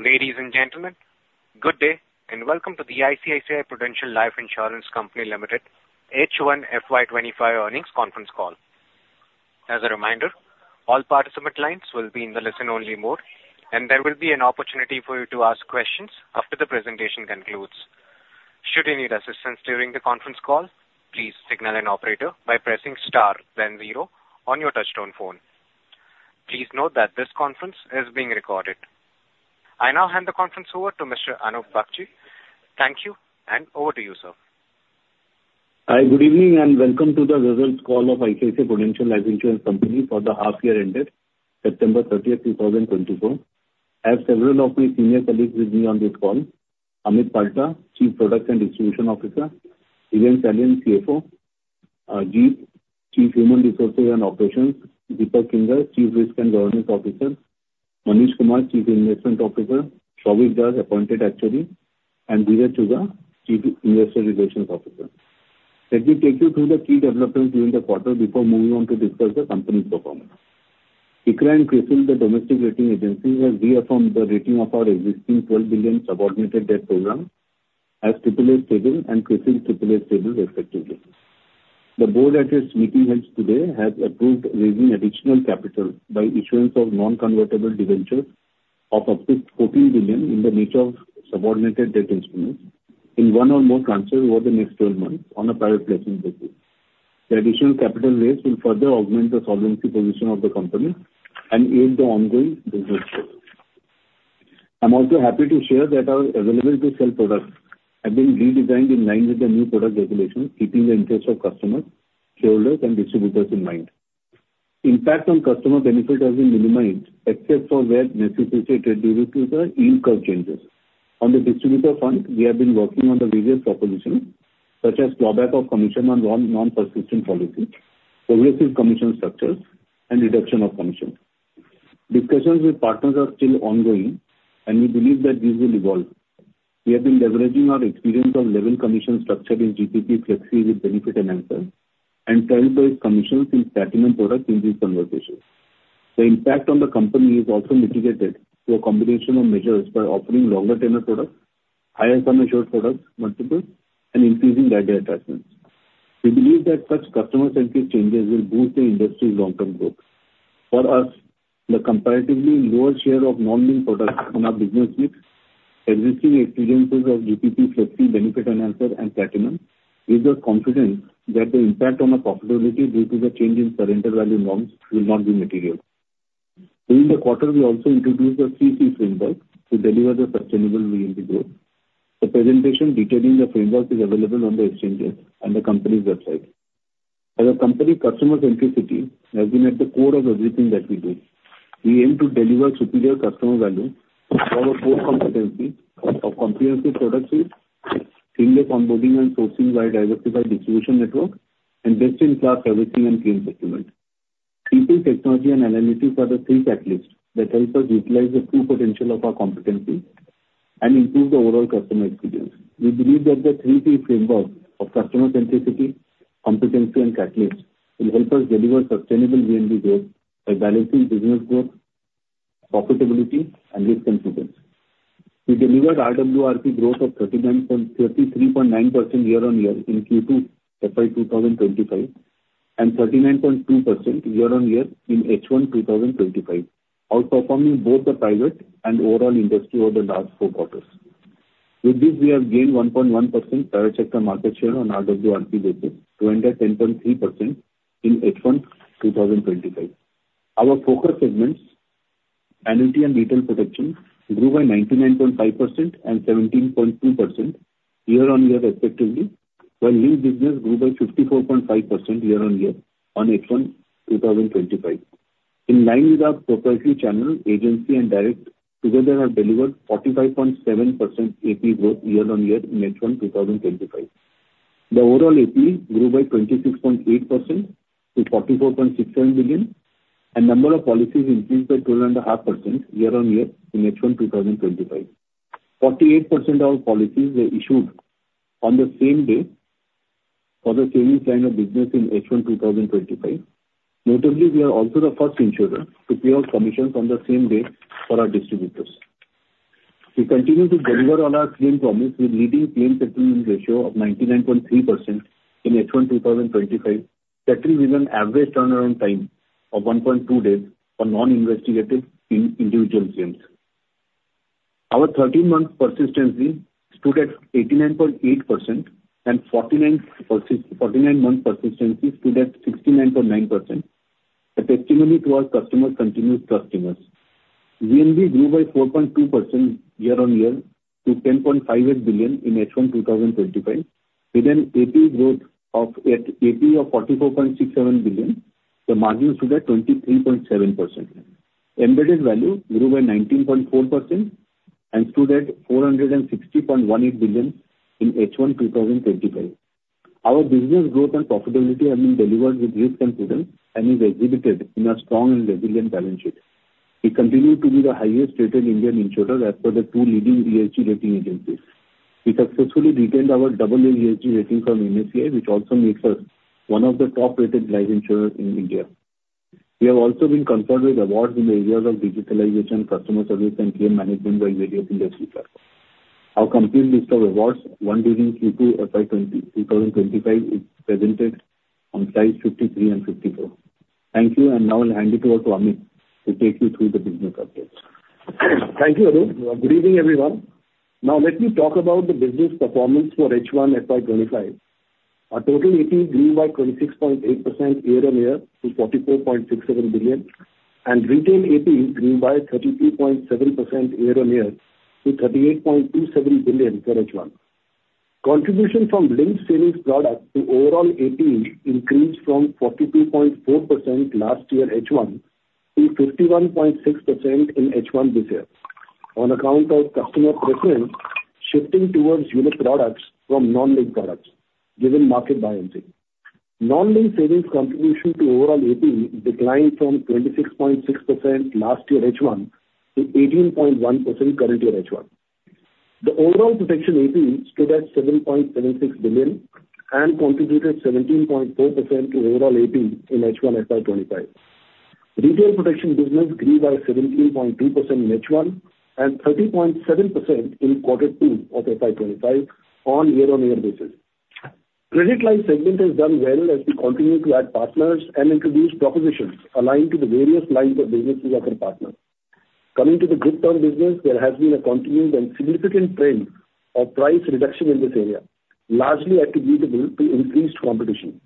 Ladies and gentlemen, good day, and welcome to the ICICI Prudential Life Insurance Company Limited H1 FY 2025 Earnings Conference Call. As a reminder, all participant lines will be in the listen-only mode, and there will be an opportunity for you to ask questions after the presentation concludes. Should you need assistance during the conference call, please signal an operator by pressing star then zero on your touchtone phone. Please note that this conference is being recorded. I now hand the conference over to Mr. Anup Bagchi. Thank you, and over to you, sir. Hi, good evening, and welcome to the results call of ICICI Prudential Life Insurance Company for the half year ended September 30th, 2024. I have several of my senior colleagues with me on this call. Amit Palta, Chief Product and Distribution Officer, Dhiren Salian, CFO, Judhajit, Chief Human Resources and Operations, Deepak Kinger, Chief Risk and Governance Officer, Manish Kumar, Chief Investment Officer, Souvik Jash, Appointed Actuary, and Dheeraj Chugh, Chief Investor Relations Officer. Let me take you through the key developments during the quarter before moving on to discuss the company's performance. ICRA and CRISIL, the domestic rating agencies, have reaffirmed the rating of our existing 12 billion subordinated debt program as AAA Stable and CRISIL AAA Stable, respectively. The board, at its meeting held today, has approved raising additional capital by issuance of non-convertible debentures of up to 14 billion in the nature of subordinated debt instruments in one or more tranches over the next 12 months on a private placement basis. The additional capital raise will further augment the solvency position of the company and aid the ongoing business growth. I'm also happy to share that our available-to-sell products have been redesigned in line with the new product regulations, keeping the interest of customers, shareholders, and distributors in mind. Impact on customer benefit has been minimized, except for where necessitated due to the yield curve changes. On the distributor front, we have been working on the various propositions, such as clawback of commission on non-persistent policies, progressive commission structures, and reduction of commissions. Discussions with partners are still ongoing, and we believe that these will evolve. We have been leveraging our experience on level commission structure in GPP Flexi with Benefit Enhancer and trail commissions in Platinum product in these conversations. The impact on the company is also mitigated through a combination of measures by offering longer tenure products, higher sum assured product multiples, and increasing rider attachments. We believe that such customer-centric changes will boost the industry's long-term growth. For us, the comparatively lower share of non-linked products on our business mix, existing experiences of GPP Flexi Benefit Enhancer and Platinum gives us confidence that the impact on our profitability due to the change in surrender value norms will not be material. During the quarter, we also introduced the 3C Framework to deliver the sustainable VNB growth. The presentation detailing the framework is available on the exchanges and the company's website. As a company, customer centricity has been at the core of everything that we do. We aim to deliver superior customer value for our core competency of comprehensive product suite, seamless onboarding and sourcing by a diversified distribution network, and best-in-class servicing and claim settlement. Simple technology and analytics are the three catalysts that help us utilize the full potential of our competencies and improve the overall customer experience. We believe that the 3C Framework of customer centricity, competency, and catalyst will help us deliver sustainable VNB growth by balancing business growth, profitability, and risk confidence. We delivered RWRP growth of 33.9% year-on-year in Q2 FY 2025, and 39.2% year-on-year in H1 2025, outperforming both the private and overall industry over the last four quarters. With this, we have gained 1.1% primary market share on RWRP basis, to end at 10.3% in H1 2025. Our focus segments, annuity and retail protection, grew by 99.5% and 17.2% year-on-year, respectively, while new business grew by 54.5% year-on-year on H1 2025. In line with our proprietary channel, agency and direct together have delivered 45.7% APE year-on-year in H1 2025. The overall APE grew by 26.8% to 44.67 billion, and number of policies increased by 12.5% year-on-year in H1 2025. 48% of our policies were issued on the same day for the same line of business in H1 2025.Notably, we are also the first insurer to pay out commissions on the same day for our distributors. We continue to deliver on our claim promise with leading claim settlement ratio of 99.3% in H1 2025, settling with an average turnaround time of 1.2 days for non-investigative individual claims. Our 13-month persistency stood at 89.8%, and 49-month persistency stood at 69.9%, a testimony to our customer's continued trust in us. VNB grew by 4.2% year-on-year to 10.58 billion in H1 2025, with an APE of 44.67 billion, the margin stood at 23.7%. Embedded value grew by 19.4% and stood at 460.18 billion in H1 2025.Our business growth and profitability have been delivered with risk confidence and is exhibited in a strong and resilient balance sheet. We continue to be the highest-rated Indian insurer as per the two leading AM Best rating agencies. We successfully retained our double A AM Best rating from AM Best, which also makes us one of the top-rated life insurers in India. We have also been conferred with awards in the areas of digitalization, customer service, and claim management by various industry circles. Our complete list of awards won during Q2 FY 2025 is presented on slide 53 and 54. Thank you, and now I'll hand it over to Amit to take you through the business updates. Thank you, Dhiren. Good evening, everyone. Now let me talk about the business performance for H1 FY 2025. Our total APE grew by 26.8% year-on-year to 44.67 billion, and retail APE grew by 32.7% year-on-year to 38.27 billion for H1. Contribution from linked savings product to overall APE increased from 42.4% last year H1 to 51.6% in H1 this year, on account of customer preference shifting towards unit products from non-linked products, given market buoyancy. Non-linked savings contribution to overall APE declined from 26.6% last year H1 to 18.1% current year H1. The overall protection APE stood at 7.76 billion and contributed 17.4% to overall APE in H1 FY 2025.Retail protection business grew by 17.2% in H1 and 30.7% in quarter two of FY 2025 on year-on-year basis. Credit life segment has done well as we continue to add partners and introduce propositions aligned to the various lines of businesses of our partners. Coming to the group term business, there has been a continued and significant trend of price reduction in this area, largely attributable to increased competition.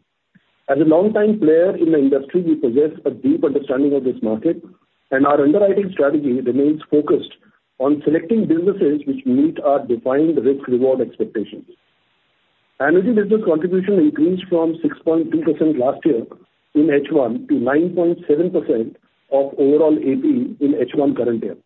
As a long-time player in the industry, we possess a deep understanding of this market, and our underwriting strategy remains focused on selecting businesses which meet our defined risk-reward expectations. Annuity business contribution increased from 6.2% last year in H1 to 9.7% of overall APE in H1 current year.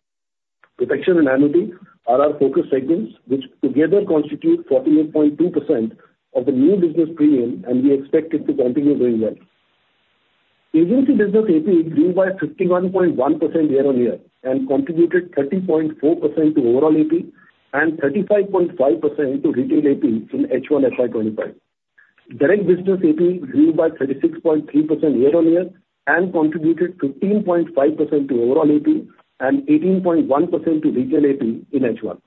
Protection and annuity are our focus segments, which together constitute 48.2% of the new business premium, and we expect it to continue doing well. Agency business APE grew by 51.1% year-on-year and contributed 13.4% to overall APE and 35.5% to retail APE in H1 FY 2025. Direct business APE grew by 36.3% year-on-year and contributed 15.5% to overall APE and 18.1% to retail APE in H1.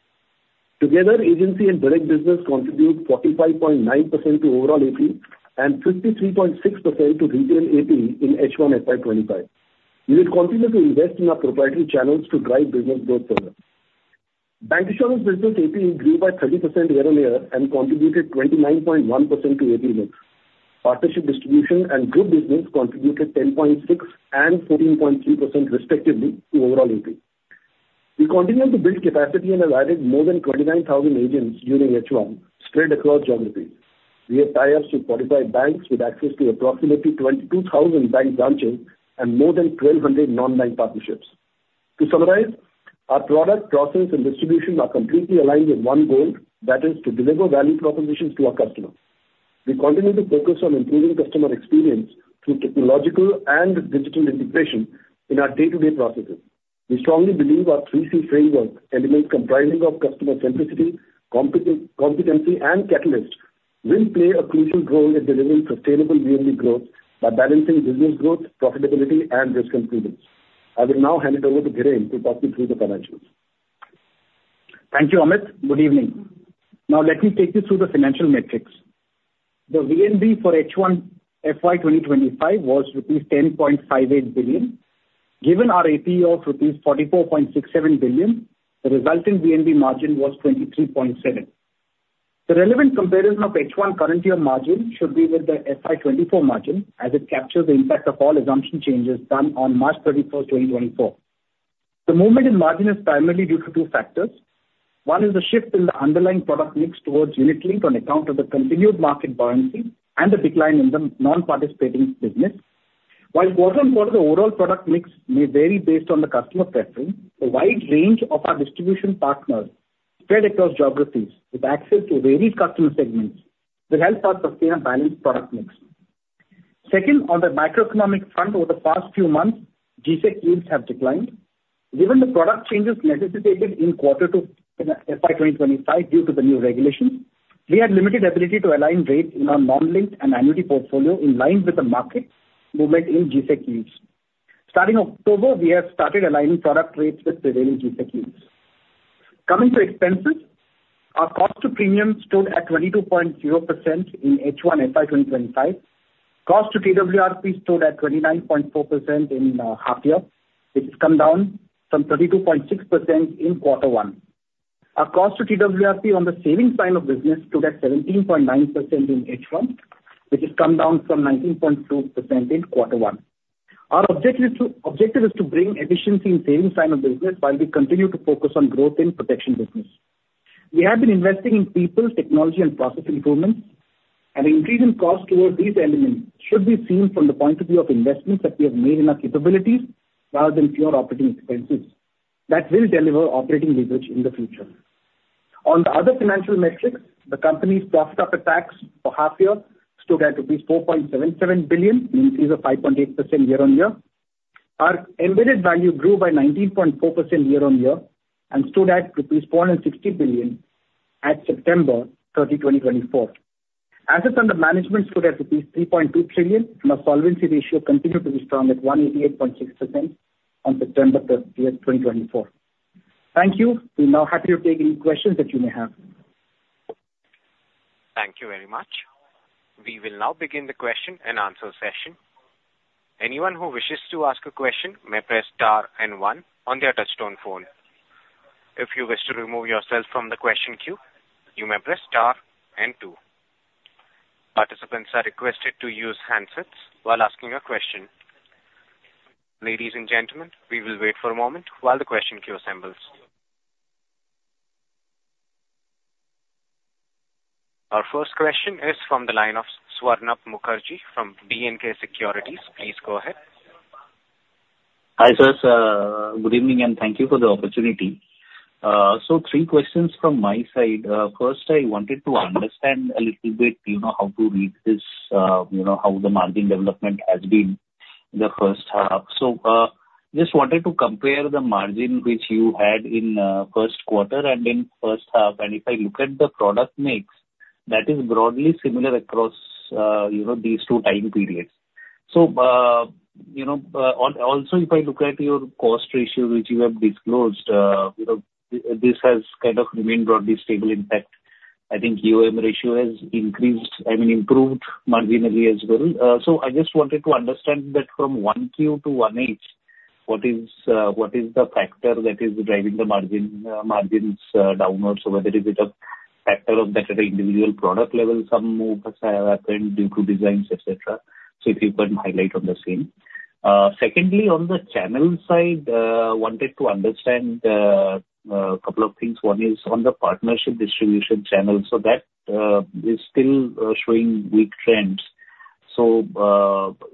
Together, agency and direct business contribute 45.9% to overall APE and 53.6% to retail APE in H1 FY 2025. We will continue to invest in our proprietary channels to drive business growth further. bancassurance business APE grew by 30% year-on-year and contributed 29.1% to APE mix. Partnership distribution and group business contributed 10.6% and 14.3% respectively to overall APE. We continue to build capacity and have added more than 29,000 agents during H1, spread across geographies. We have tie-ups with qualified banks, with access to approximately 22,000 bank branches and more than 1,200 non-bank partnerships. To summarize, our product, process, and distribution are completely aligned with one goal, that is to deliver value propositions to our customers. We continue to focus on improving customer experience through technological and digital integration in our day-to-day processes. We strongly believe our 3C Framework elements comprising of customer centricity, competency, and catalyst, will play a crucial role in delivering sustainable VNB growth by balancing business growth, profitability, and risk improvements. I will now hand it over to Dhiren to talk you through the financials. Thank you, Amit. Good evening. Now let me take you through the financial metrics. The VNB for H1 FY 2025 was rupees 10.58 billion. Given our APE of rupees 44.67 billion, the resulting VNB margin was 23.7%. The relevant comparison of H1 current year margin should be with the FY 2024 margin, as it captures the impact of all assumption changes done on March 31, 2024. The movement in margin is primarily due to two factors. One is the shift in the underlying product mix towards unit link on account of the continued market buoyancy and the decline in the non-participating business. While quarter-on-quarter, the overall product mix may vary based on the customer preference, the wide range of our distribution partners spread across geographies with access to varied customer segments, will help us sustain a balanced product mix. Second, on the macroeconomic front, over the past few months, G-Sec yields have declined. Given the product changes necessitated in quarter two in FY 2025 due to the new regulations, we had limited ability to align rates in our non-linked and annuity portfolio in line with the market movement in G-Sec yields. Starting October, we have started aligning product rates with prevailing G-Sec yields. Coming to expenses, our cost to premium stood at 22.0% in H1 FY 2025. Cost to TWRP stood at 29.4% in half year, which has come down from 32.6% in quarter one. Our cost to TWRP on the savings side of business stood at 17.9% in H1, which has come down from 19.2% in quarter one. Our objective is to bring efficiency in savings side of business while we continue to focus on growth in protection business. We have been investing in people, technology, and process improvements, and the increase in cost towards these elements should be seen from the point of view of investments that we have made in our capabilities rather than pure operating expenses. That will deliver operating leverage in the future. On the other financial metrics, the company's profit after tax for half year stood at rupees 4.77 billion, an increase of 5.8% year-on-year. Our embedded value grew by 19.4% year-on-year and stood at rupees 160 billion at September 30, 2024. Assets under management stood at rupees 3.2 trillion, and our solvency ratio continued to be strong at 188.6% on September 30, 2024. Thank you. We're now happy to take any questions that you may have. Thank you very much. We will now begin the question and answer session. Anyone who wishes to ask a question may press star and one on their touchtone phone. If you wish to remove yourself from the question queue, you may press star and two. Participants are requested to use handsets while asking a question. Ladies and gentlemen, we will wait for a moment while the question queue assembles. Our first question is from the line of Swarnabha Mukherjee from B&K Securities. Please go ahead. Hi, sirs. Good evening, and thank you for the opportunity. So three questions from my side. First, I wanted to understand a little bit, you know, how to read this, you know, how the margin development has been in the first half. So, just wanted to compare the margin which you had in first quarter and in first half, and if I look at the product mix, that is broadly similar across, you know, these two time periods. So, you know, also, if I look at your cost ratio, which you have disclosed, you know, this has kind of remained broadly stable. In fact, I think EOM ratio has increased, I mean, improved marginally as well. So I just wanted to understand that from 1Q to 1H, what is the factor that is driving the margin, margins, downwards, or whether it is a factor of that at individual product level, some move has happened due to designs, et cetera. So if you can highlight on the same. Secondly, on the channel side, wanted to understand a couple of things. One is on the partnership distribution channel, so that is still showing weak trends. So,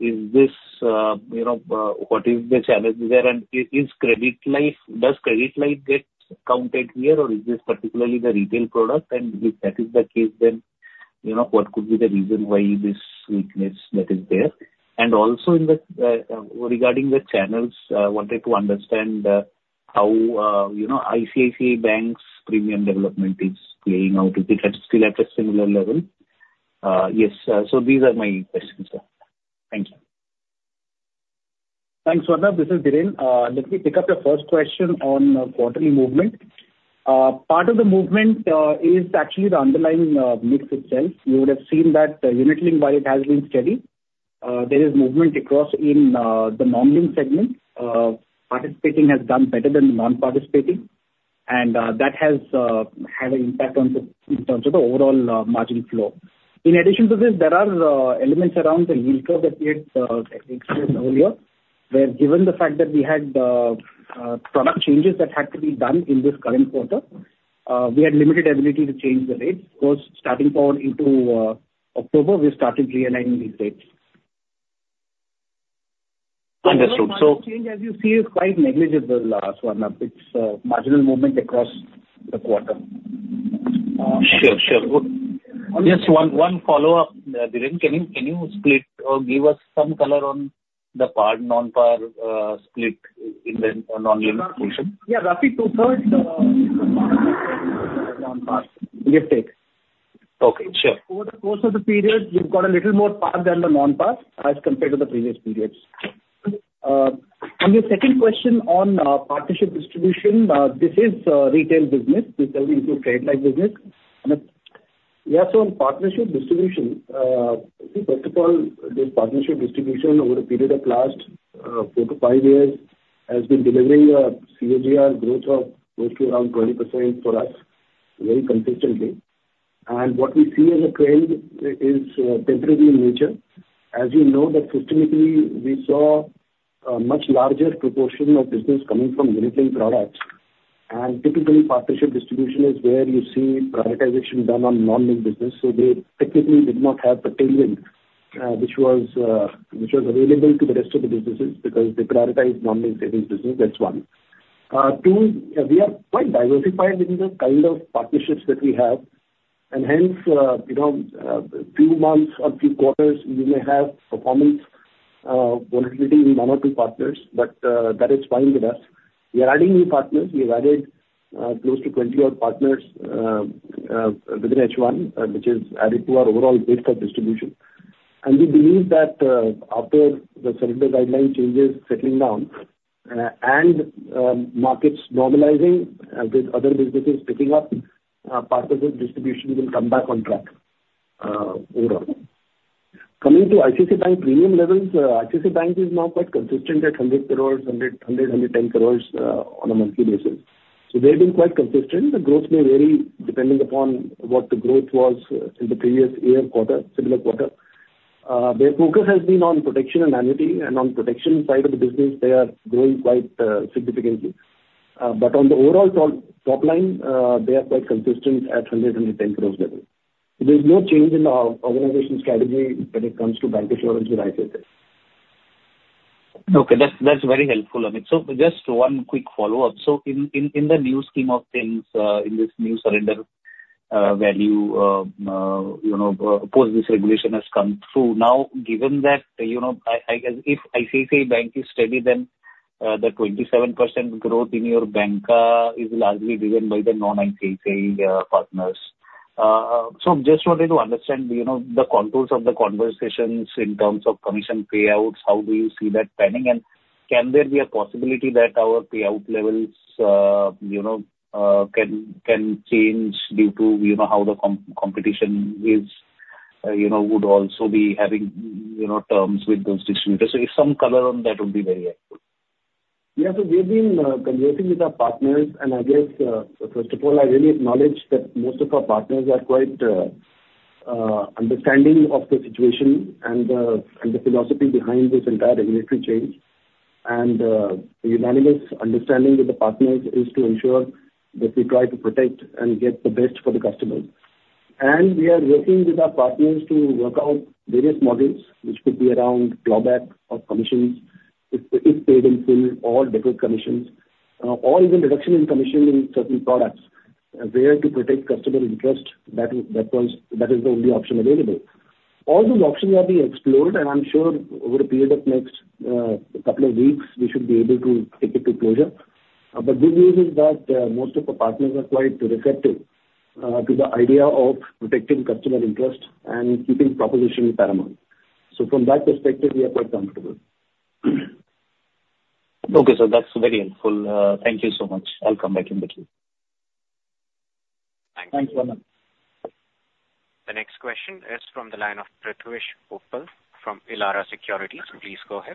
is this, you know, what is the challenge there? And is credit life, does credit life get counted here, or is this particularly the retail product? And if that is the case, then, you know, what could be the reason why this weakness that is there? And also, in the, regarding the channels, wanted to understand how, you know, ICICI Bank's premium development is playing out. Is it still at a similar level? Yes, so these are my questions, sir. Thank you. Thanks, Swarnabha. This is Dhiren. Let me pick up your first question on quarterly movement. Part of the movement is actually the underlying mix itself. You would have seen that the unit-linked, while it has been steady, there is movement across in the non-linked segment. Participating has done better than the non-participating, and that has had an impact on the in terms of the overall margin flow. In addition to this, there are elements around the yield curve that we had experienced earlier, where given the fact that we had product changes that had to be done in this current quarter, we had limited ability to change the rates. Of course, starting forward into October, we started realigning these rates. Understood. So- Change, as you see, is quite negligible, Swarnabha. It's marginal movement across the quarter. Sure, sure. Just one follow-up, Dhiren. Can you split or give us some color on the par/non-par split in the non-linked portion? Yeah, roughly two-thirds, non-par lift take. Okay, sure. Over the course of the period, we've got a little more par than the non-par as compared to the previous periods. On your second question on partnership distribution, this is retail business. This does include trade-like business. Amit? Yeah, so on partnership distribution, I think first of all, this partnership distribution over a period of last 4-5 years, has been delivering a CAGR growth of mostly around 20% for us very consistently. And what we see as a trend is temporary in nature. As you know, that systemically we saw a much larger proportion of business coming from unit-linked products, and typically, partnership distribution is where you see prioritization done on non-linked business. So they technically did not have the tailwind, which was available to the rest of the businesses because they prioritized non-linked business. That's one. Two, we are quite diversified in the kind of partnerships that we have, and hence, you know, few months or few quarters, we may have performance volatility in one or two partners, but that is fine with us. We are adding new partners. We have added close to 20-odd partners within H1, which has added to our overall base of distribution. And we believe that after the surrender guideline changes settling down and markets normalizing, these other businesses picking up, part of the distribution will come back on track overall. Coming to ICICI Bank premium levels, ICICI Bank is now quite consistent at 100 crores, 100, 110 crores on a monthly basis. So they've been quite consistent. The growth may vary depending upon what the growth was in the previous year quarter, similar quarter. Their focus has been on protection and annuity, and on protection side of the business, they are growing quite significantly. But on the overall top line, they are quite consistent at 110 crores level. There's no change in our organizational strategy when it comes to bancassurance with ICICI. Okay, that's very helpful, Amit. So just one quick follow-up. So in the new scheme of things, in this new surrender value, you know, post this regulation has come through. Now, given that, you know, if ICICI Bank is steady, then the 27% growth in your bank is largely driven by the non-MPI partners. So just wanted to understand, you know, the contours of the conversations in terms of commission payouts, how do you see that trending? And can there be a possibility that our payout levels, you know, can change due to, you know, how the competition is, you know, would also be having, you know, terms with those distributors? So if some color on that would be very helpful. Yeah. So we've been conversing with our partners, and I guess, first of all, I really acknowledge that most of our partners are quite understanding of the situation and the philosophy behind this entire regulatory change. And the unanimous understanding with the partners is to ensure that we try to protect and get the best for the customer. And we are working with our partners to work out various models which could be around clawback of commissions, if paid in full or deduct commissions, or even reduction in commission in certain products, where to protect customer interest, that is the only option available. All these options are being explored, and I'm sure over a period of next couple of weeks, we should be able to take it to closure. But good news is that, most of our partners are quite receptive, to the idea of protecting customer interest and keeping proposition paramount. So from that perspective, we are quite comfortable. Okay, sir, that's very helpful. Thank you so much. I'll come back in the queue. Thanks. Thanks a lot. The next question is from the line of Prithvish Uppal from Elara Securities. Please go ahead.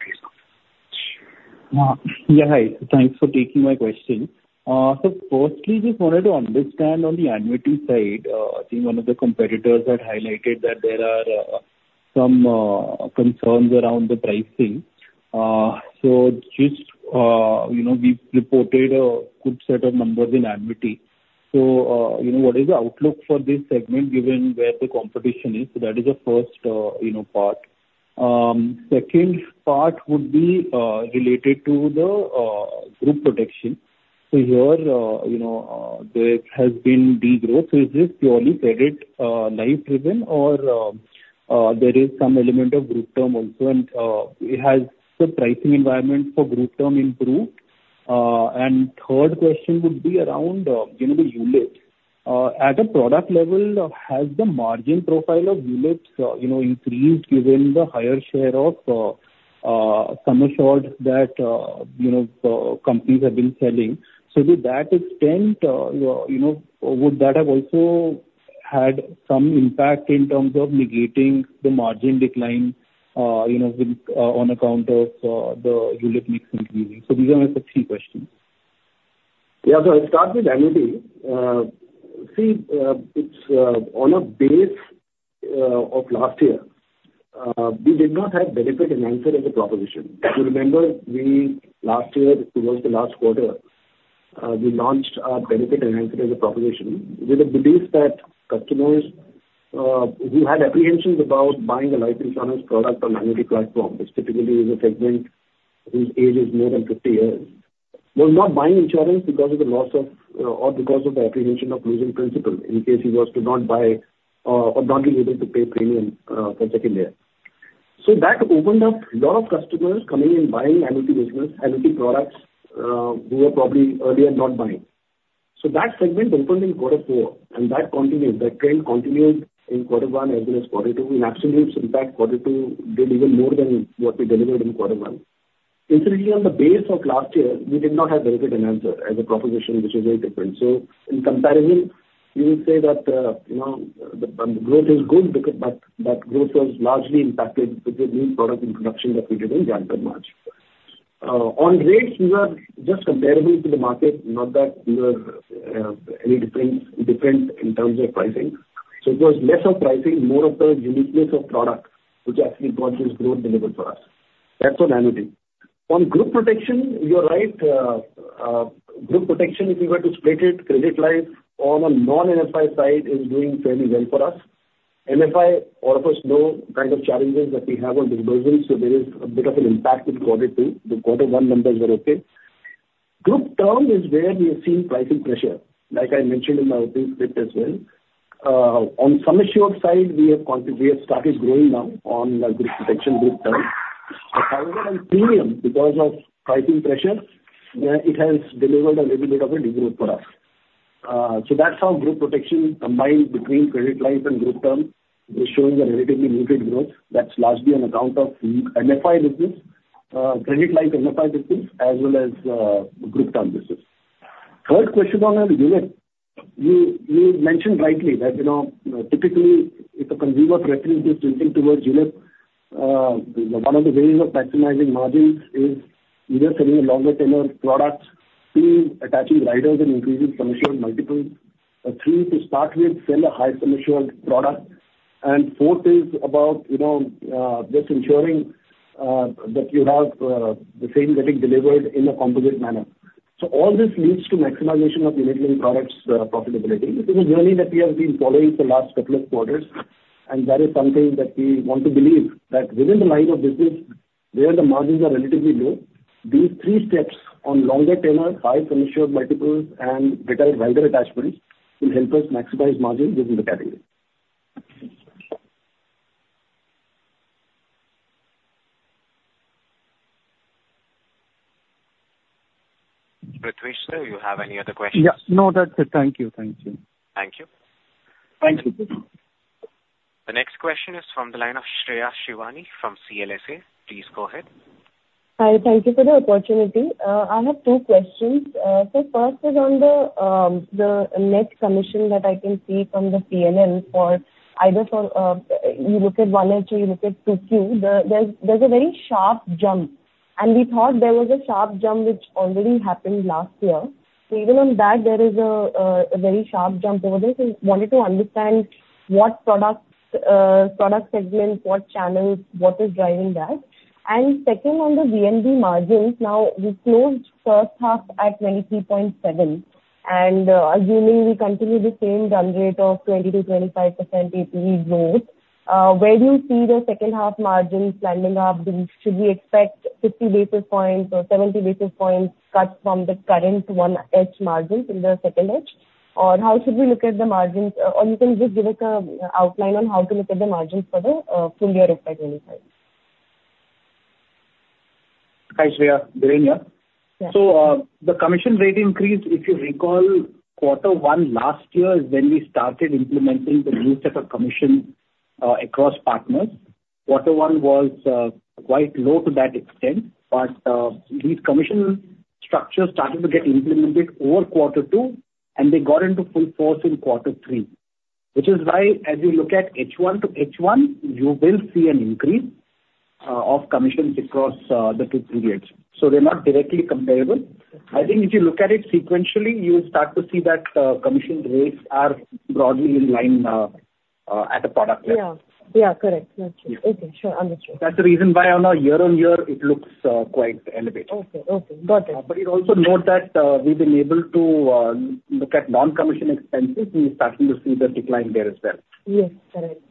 Yeah, hi. Thanks for taking my question. So firstly, just wanted to understand on the annuity side. I think one of the competitors had highlighted that there are some concerns around the pricing. So just, you know, we've reported a good set of numbers in annuity. So, you know, what is the outlook for this segment, given where the competition is? So that is the first, you know, part. Second part would be related to the group protection. So here, you know, there has been degrowth, so is this purely credit life-driven, or there is some element of group term also? And it has the pricing environment for group term improved. And third question would be around, you know, the ULIP. At a product level, has the margin profile of ULIPs, you know, increased given the higher share of sum assured that, you know, companies have been selling? So to that extent, you know, would that have also had some impact in terms of negating the margin decline, you know, with on account of the ULIP mix increasing? So these are my three questions. Yeah, so I'll start with annuity. See, it's on a base of last year, we did not have Benefit Enhancer as a proposition. If you remember, we last year, towards the last quarter, we launched our Benefit Enhancer as a proposition with a belief that customers who had apprehensions about buying a life insurance product on annuity platform. Which typically is a segment whose age is more than fifty years, was not buying insurance because of the loss of, or because of the apprehension of losing principal in case he was to not buy, or not be able to pay premium for second year. So that opened up a lot of customers coming and buying annuity business, annuity products, who were probably earlier not buying. So that segment opened in quarter four, and that continued. That trend continued in quarter one as well as quarter two. In absolutes, in fact, quarter two did even more than what we delivered in quarter one. Essentially, on the base of last year, we did not have Benefit Enhancer as a proposition, which is very different. So in comparison, you would say that, you know, the growth is good because, but that growth was largely impacted with the new product introduction that we did in January, March. On rates, we were just comparable to the market, not that we were any different in terms of pricing. So it was less of pricing, more of the uniqueness of product, which actually got this growth delivered for us. That's on annuity. On group protection, you are right. Group protection, if you were to split it, credit life on a non-MFI side is doing fairly well for us. MFI, all of us know kind of challenges that we have on disbursements, so there is a bit of an impact with quarter two. The quarter one numbers were okay. Group term is where we have seen pricing pressure, like I mentioned in my opening script as well. On sum assured side, we have continued, we have started growing now on group protection, group term. However, on premium, because of pricing pressure, it has delivered a little bit of a degrowth for us. So that's how group protection combined between credit life and group term is showing a relatively muted growth. That's largely on account of MFI business, credit life MFI business, as well as group term business. Third question on the ULIP, you mentioned rightly that, you know, typically, if a consumer preference is tilting towards ULIP, one of the ways of maximizing margins is either selling a longer tenure product, two, attaching riders and increasing commission multiples, three, to start with, sell a high commission product, and fourth is about, you know, just ensuring that you have the same getting delivered in a composite manner. So all this leads to maximization of the underlying products profitability. This is a journey that we have been following for the last couple of quarters, and that is something that we want to believe, that within the line of business, where the margins are relatively low, these three steps on longer tenure, high commission multiples, and better rider attachments will help us maximize margins within the category. ... Prithvish, sir, you have any other questions? Yeah. No, that's it. Thank you. Thank you. Thank you. Thank you. The next question is from the line of Shreya Shivani from CLSA. Please go ahead. Hi, thank you for the opportunity. I have two questions. So first is on the net commission that I can see from the PNL for either from you look at 1H, you look at 2Q, there's a very sharp jump, and we thought there was a sharp jump which already happened last year. So even on that, there is a very sharp jump over there. So wanted to understand what products, product segments, what channels, what is driving that? And second, on the VNB margins, now, we closed first half at 23.7%, and assuming we continue the same run rate of 20%-25% APE growth, where do you see the second half margins landing up? Should we expect 50 basis points or 70 basis points cut from the current 1H margins in the 2H? Or how should we look at the margins? Or you can just give us an outline on how to look at the margins for the full year of 2025. Hi, Shreya. Dhiren here. Yeah. So, the commission rate increase, if you recall, quarter one last year is when we started implementing the new set of commission across partners. Quarter one was quite low to that extent, but these commission structures started to get implemented over quarter two, and they got into full force in quarter three. Which is why as you look at H1-H1, you will see an increase of commissions across the two periods. So they're not directly comparable. Okay. I think if you look at it sequentially, you'll start to see that, commission rates are broadly in line, at a product level. Yeah. Yeah, correct. Got you. Yeah. Okay, sure. Amit, sure. That's the reason why on a year on year it looks quite elevated. Okay, okay. Got it. But you also note that we've been able to look at non-commission expenses, and we're starting to see the decline there as well. Yes, correct.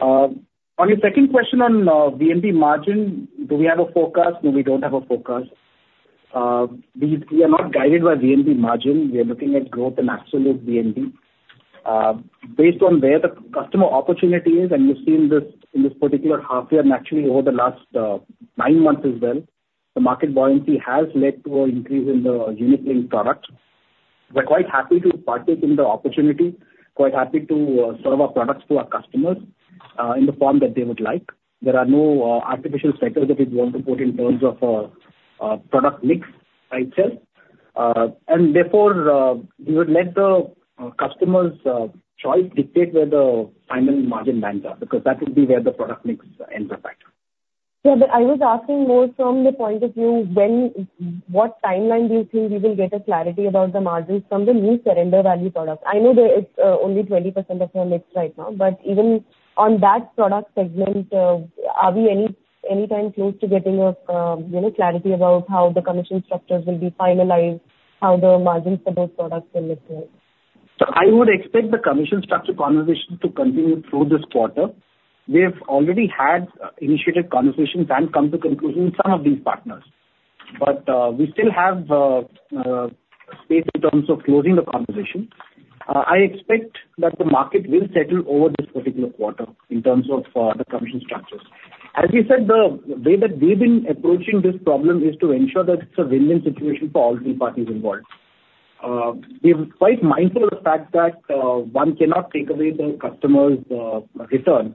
On your second question on VNB margin, do we have a forecast? No, we don't have a forecast. We are not guided by VNB margin. We are looking at growth in absolute VNB. Based on where the customer opportunity is, and we've seen this in this particular half year, and actually over the last nine months as well, the market buoyancy has led to an increase in the unit linked product. We're quite happy to participate in the opportunity, quite happy to sell our products to our customers in the form that they would like. There are no artificial cycles that we want to put in terms of product mix by itself. And therefore, we would let the customers' choice dictate where the final margin bands are, because that would be where the product mix ends up at. Yeah, but I was asking more from the point of view, when what timeline do you think we will get a clarity about the margins from the new surrender value product? I know that it's only 20% of your mix right now, but even on that product segment, are we any time close to getting a, you know, clarity about how the commission structures will be finalized, how the margins for those products will look like? So I would expect the commission structure conversation to continue through this quarter. We have already had initiated conversations and come to conclusion with some of these partners. But, we still have, space in terms of closing the conversation. I expect that the market will settle over this particular quarter in terms of, the commission structures. As we said, the way that we've been approaching this problem is to ensure that it's a win-win situation for all three parties involved. We're quite mindful of the fact that, one cannot take away the customer's, return.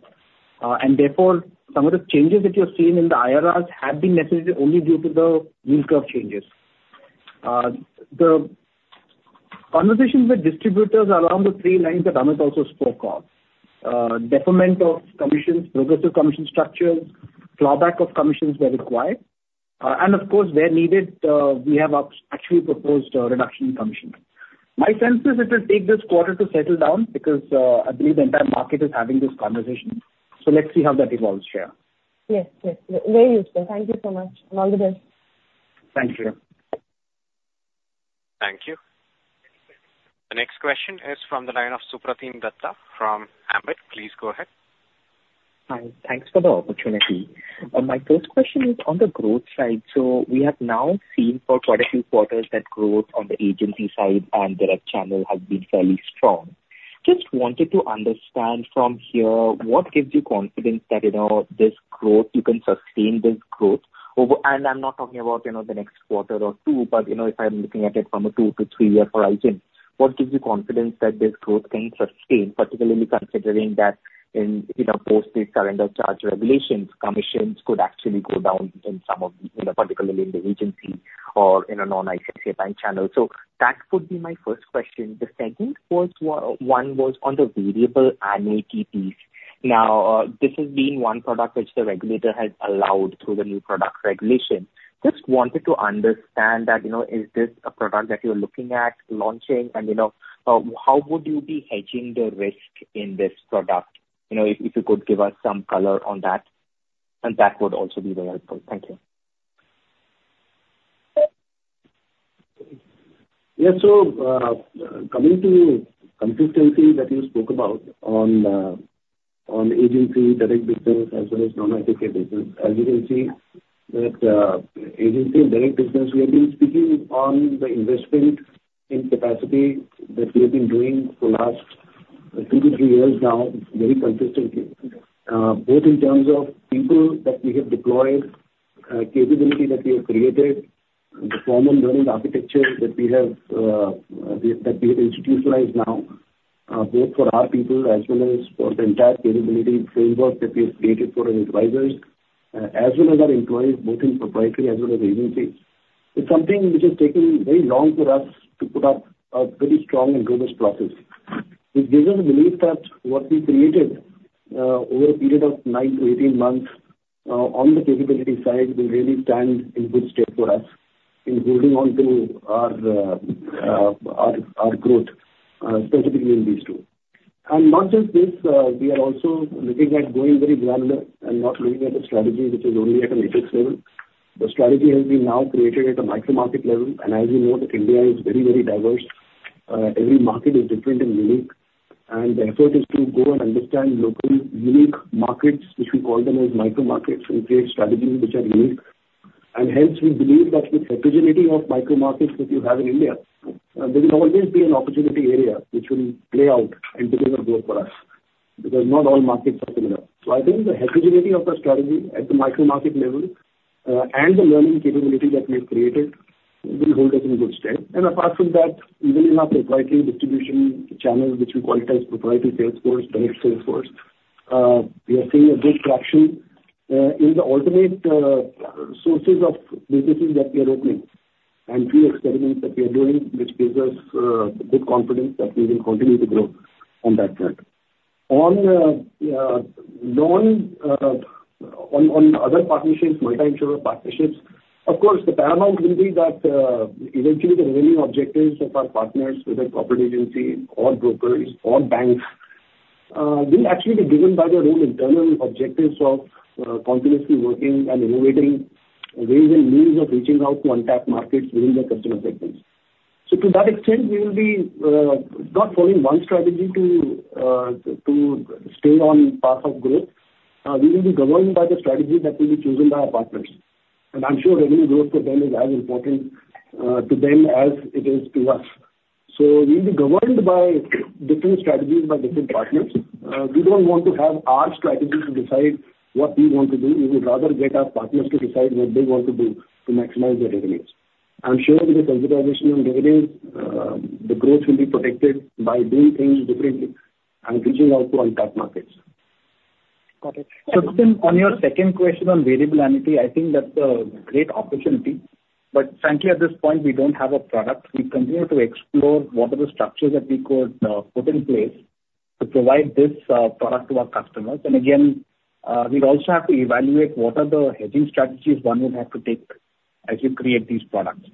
And therefore, some of the changes that you're seeing in the IRRs have been necessary only due to the yield curve changes. The conversations with distributors around the three lines that Amit also spoke on, deferment of commissions, progressive commission structures, clawback of commissions where required, and of course, where needed, we have actually proposed a reduction in commission.My sense is it will take this quarter to settle down because I believe the entire market is having this conversation so let's see how that evolves, Shreya. Yes, yes. Very useful. Thank you so much, and all the best. Thank you. Thank you. The next question is from the line of Supratim Datta from Ambit. Please go ahead. Hi, thanks for the opportunity. My first question is on the growth side. So we have now seen for quite a few quarters that growth on the agency side and direct channel has been fairly strong. Just wanted to understand from here, what gives you confidence that, you know, this growth, you can sustain this growth over... And I'm not talking about, you know, the next quarter or two, but, you know, if I'm looking at it from a 2-3 year horizon, what gives you confidence that this growth can sustain, particularly considering that in, you know, post the surrender charge regulations, commissions could actually go down in some of, you know, particularly in the agency or in a non-ICICI Bank channel? So that would be my first question. The second was one was on the variable annuities. Now, this has been one product which the regulator has allowed through the new product regulation. Just wanted to understand that, you know, is this a product that you're looking at launching? And, you know, how would you be hedging the risk in this product? You know, if you could give us some color on that, and that would also be very helpful. Thank you. Yeah. So, coming to consistency that you spoke about on agency direct business as well as non-ICICI business, as you can see that agency direct business, we have been speaking on the investment in capacity that we have been doing for last two to three years now very consistently, both in terms of people that we have deployed, capability that we have created, the formal learning architecture that we have, that we have institutionalized now, both for our people as well as for the entire capability framework that we have created for our advisors, as well as our employees, both in proprietary as well as agency. It's something which has taken very long for us to put up a very strong and robust process, which gives us a belief that what we created, over a period of nine to 18 months, on the capability side, will really stand in good stead for us in holding on to our growth, specifically in these two. Not just this, we are also looking at going very granular and not looking at a strategy which is only at a matrix level. The strategy has been now created at a micro-market level, and as you know that India is very, very diverse. Every market is different and unique, and the effort is to go and understand local unique markets, which we call them as micro markets, and create strategies which are unique. And hence, we believe that with heterogeneity of micro markets that you have in India, there will always be an opportunity area which will play out and deliver growth for us, because not all markets are similar. So I think the heterogeneity of the strategy at the micro market level, and the learning capability that we have created will hold us in good stead. And apart from that, even in our proprietary distribution channel, which we call it as proprietary sales force, direct sales force, we are seeing a good traction, in the alternate, sources of businesses that we are opening and few experiments that we are doing, which gives us, good confidence that we will continue to grow on that front. On other partnerships, multi-insurer partnerships, of course, the paramount will be that, eventually the main objectives of our partners, whether corporate agency or brokers or banks, will actually be driven by their own internal objectives of, continuously working and innovating ways and means of reaching out to untapped markets within their customer segments. So to that extent, we will be not following one strategy to stay on path of growth. We will be governed by the strategy that will be chosen by our partners, and I'm sure revenue growth for them is as important to them as it is to us. So we'll be governed by different strategies by different partners. We don't want to have our strategies to decide what we want to do. We would rather get our partners to decide what they want to do to maximize their revenues. I'm sure with the capitalization on revenues, the growth will be protected by doing things differently and reaching out to untapped markets. Got it. So, on your second question on variable annuity, I think that's a great opportunity. But frankly, at this point, we don't have a product. We continue to explore what are the structures that we could put in place to provide this product to our customers. And again, we also have to evaluate what are the hedging strategies one would have to take as you create these products.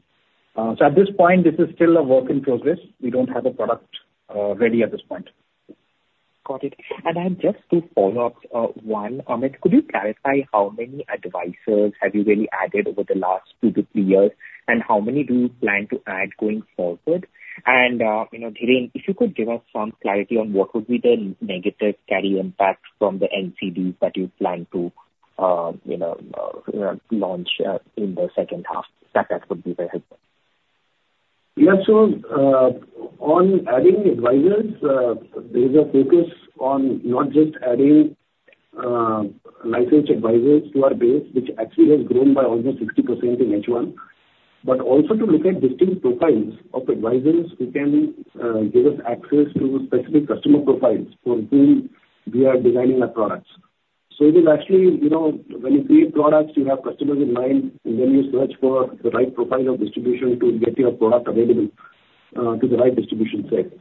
So at this point, this is still a work in progress. We don't have a product ready at this point. Got it. And I have just two follow-ups. One, Amit, could you clarify how many advisors have you really added over the last two to three years, and how many do you plan to add going forward? And, you know, Dhiren, if you could give us some clarity on what would be the negative carry impact from the NCD that you plan to, you know, launch, in the second half? That would be very helpful. Yeah. So, on adding advisors, there's a focus on not just adding licensed advisors to our base, which actually has grown by almost 60% in H1, but also to look at distinct profiles of advisors who can give us access to specific customer profiles for whom we are designing our products. So it is actually, you know, when you create products, you have customers in mind, and then you search for the right profile of distribution to get your product available to the right distribution set.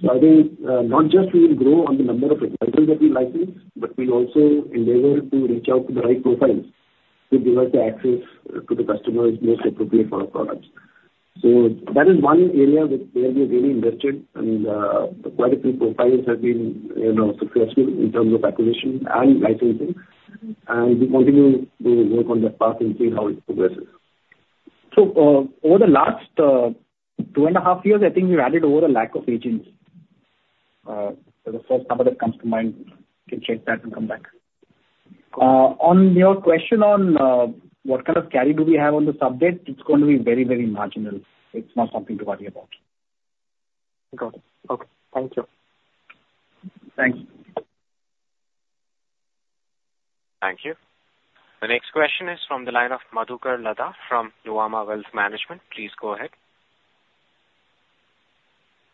So I think, not just we will grow on the number of advisors that we license, but we'll also endeavor to reach out to the right profiles to give us the access to the customers most appropriate for our products. So that is one area which we have really invested, and quite a few profiles have been, you know, successful in terms of acquisition and licensing. And we continue to work on that path and see how it progresses. So over the last two and a half years, I think we've added over a lack of agents. So the first number that comes to mind, can check that and come back. On your question on what kind of carry do we have on the sub-debt, it's going to be very, very marginal. It's not something to worry about. Got it. Okay. Thank you. Thanks. Thank you. The next question is from the line of Madhukar Ladha from Nuvama Wealth Management. Please go ahead.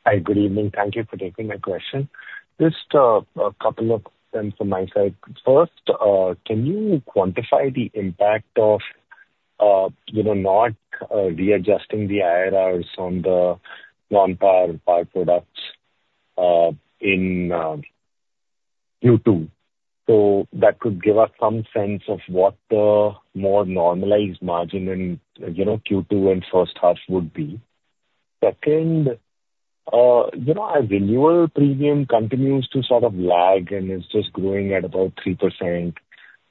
Hi, good evening. Thank you for taking my question. Just, a couple of things from my side. First, can you quantify the impact of, you know, not readjusting the IRRs on the non-par products, in Q2? So that could give us some sense of what the more normalized margin in, you know, Q2 and first half would be. Second, you know, as renewal premium continues to sort of lag and is just growing at about 3%,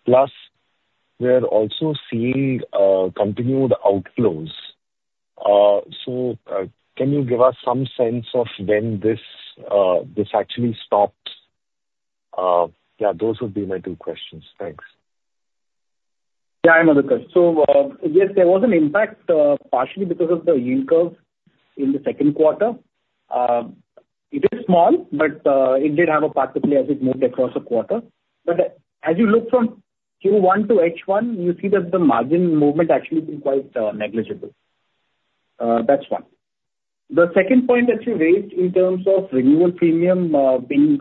plus we're also seeing continued outflows. So, can you give us some sense of when this, this actually stops? Yeah, those would be my two questions. Thanks.... Yeah, I know the question. So, yes, there was an impact, partially because of the yield curve in the second quarter. It is small, but it did have a pathway as it moved across the quarter. But as you look from Q1 to H1, you see that the margin movement actually been quite negligible. That's one. The second point that you raised in terms of renewal premium being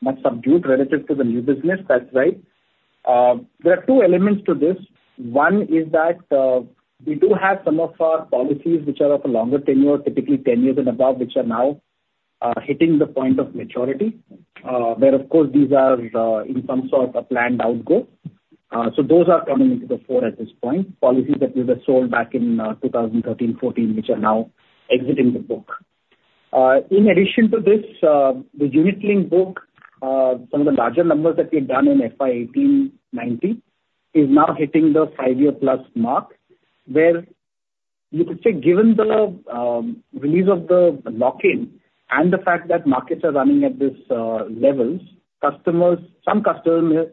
much subdued relative to the new business, that's right. There are two elements to this. One is that we do have some of our policies which are of a longer tenure, typically 10 years and above, which are now hitting the point of maturity, where, of course, these are in some sort of a planned outflow. So those are coming into the forefront at this point, policies that were sold back in 2013, 2014, which are now exiting the book. In addition to this, the unit-linked book, some of the larger numbers that we've done in FY 18, 19, is now hitting the five-year-plus mark, where you could say, given the release of the lock-in and the fact that markets are running at this levels, customers, some customers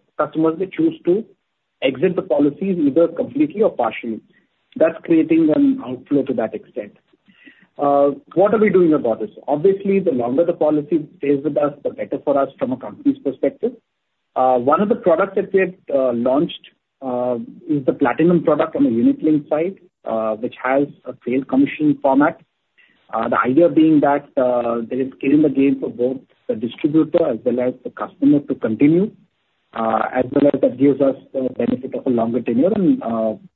may choose to exit the policies either completely or partially. That's creating an outflow to that extent. What are we doing about this? Obviously, the longer the policy stays with us, the better for us from a company's perspective. One of the products that we have launched is the Platinum product on the unit-linked side, which has a flat commission format. The idea being that there is skin in the game for both the distributor as well as the customer to continue, as well as that gives us the benefit of a longer tenure and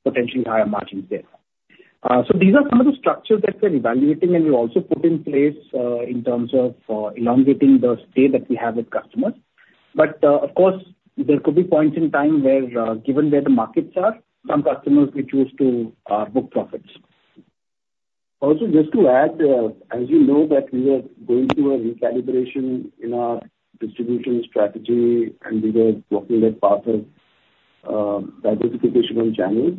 potentially higher margins there. So these are some of the structures that we're evaluating, and we also put in place in terms of elongating the stay that we have with customers. But of course, there could be points in time where given where the markets are, some customers may choose to book profits. Also, just to add, as you know, that we are going through a recalibration in our distribution strategy and we were walking that path of diversification on channels.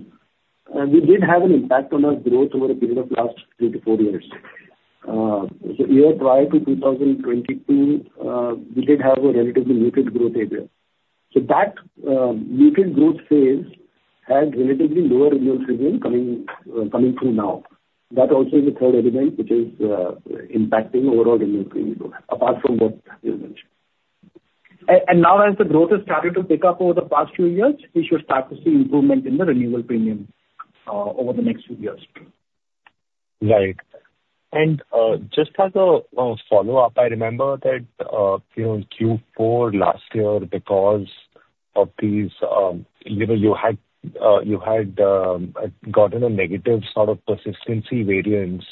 We did have an impact on our growth over a period of last 3-4 years. The year prior to 2022, we did have a relatively muted growth area. So that, muted growth phase had relatively lower renewal premium coming through now. That also is a third element which is, impacting overall renewal premium growth, apart from what you mentioned. And now as the growth has started to pick up over the past few years, we should start to see improvement in the renewal premium, over the next few years. Right. And, just as a, follow-up, I remember that, you know, in Q4 last year, because of these, you know, you had gotten a negative sort of persistency variance,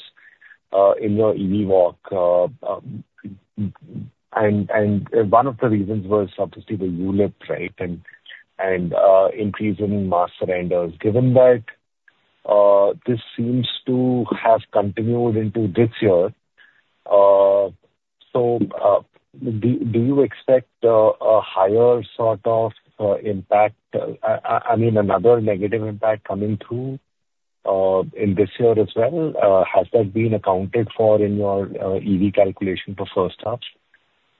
in your EV Walk. And, one of the reasons was obviously the ULIP, right? And, increase in mass surrenders. Given that, this seems to have continued into this year, so, do you expect a higher sort of impact, I mean, another negative impact coming through in this year as well? Has that been accounted for in your EV calculation for first half?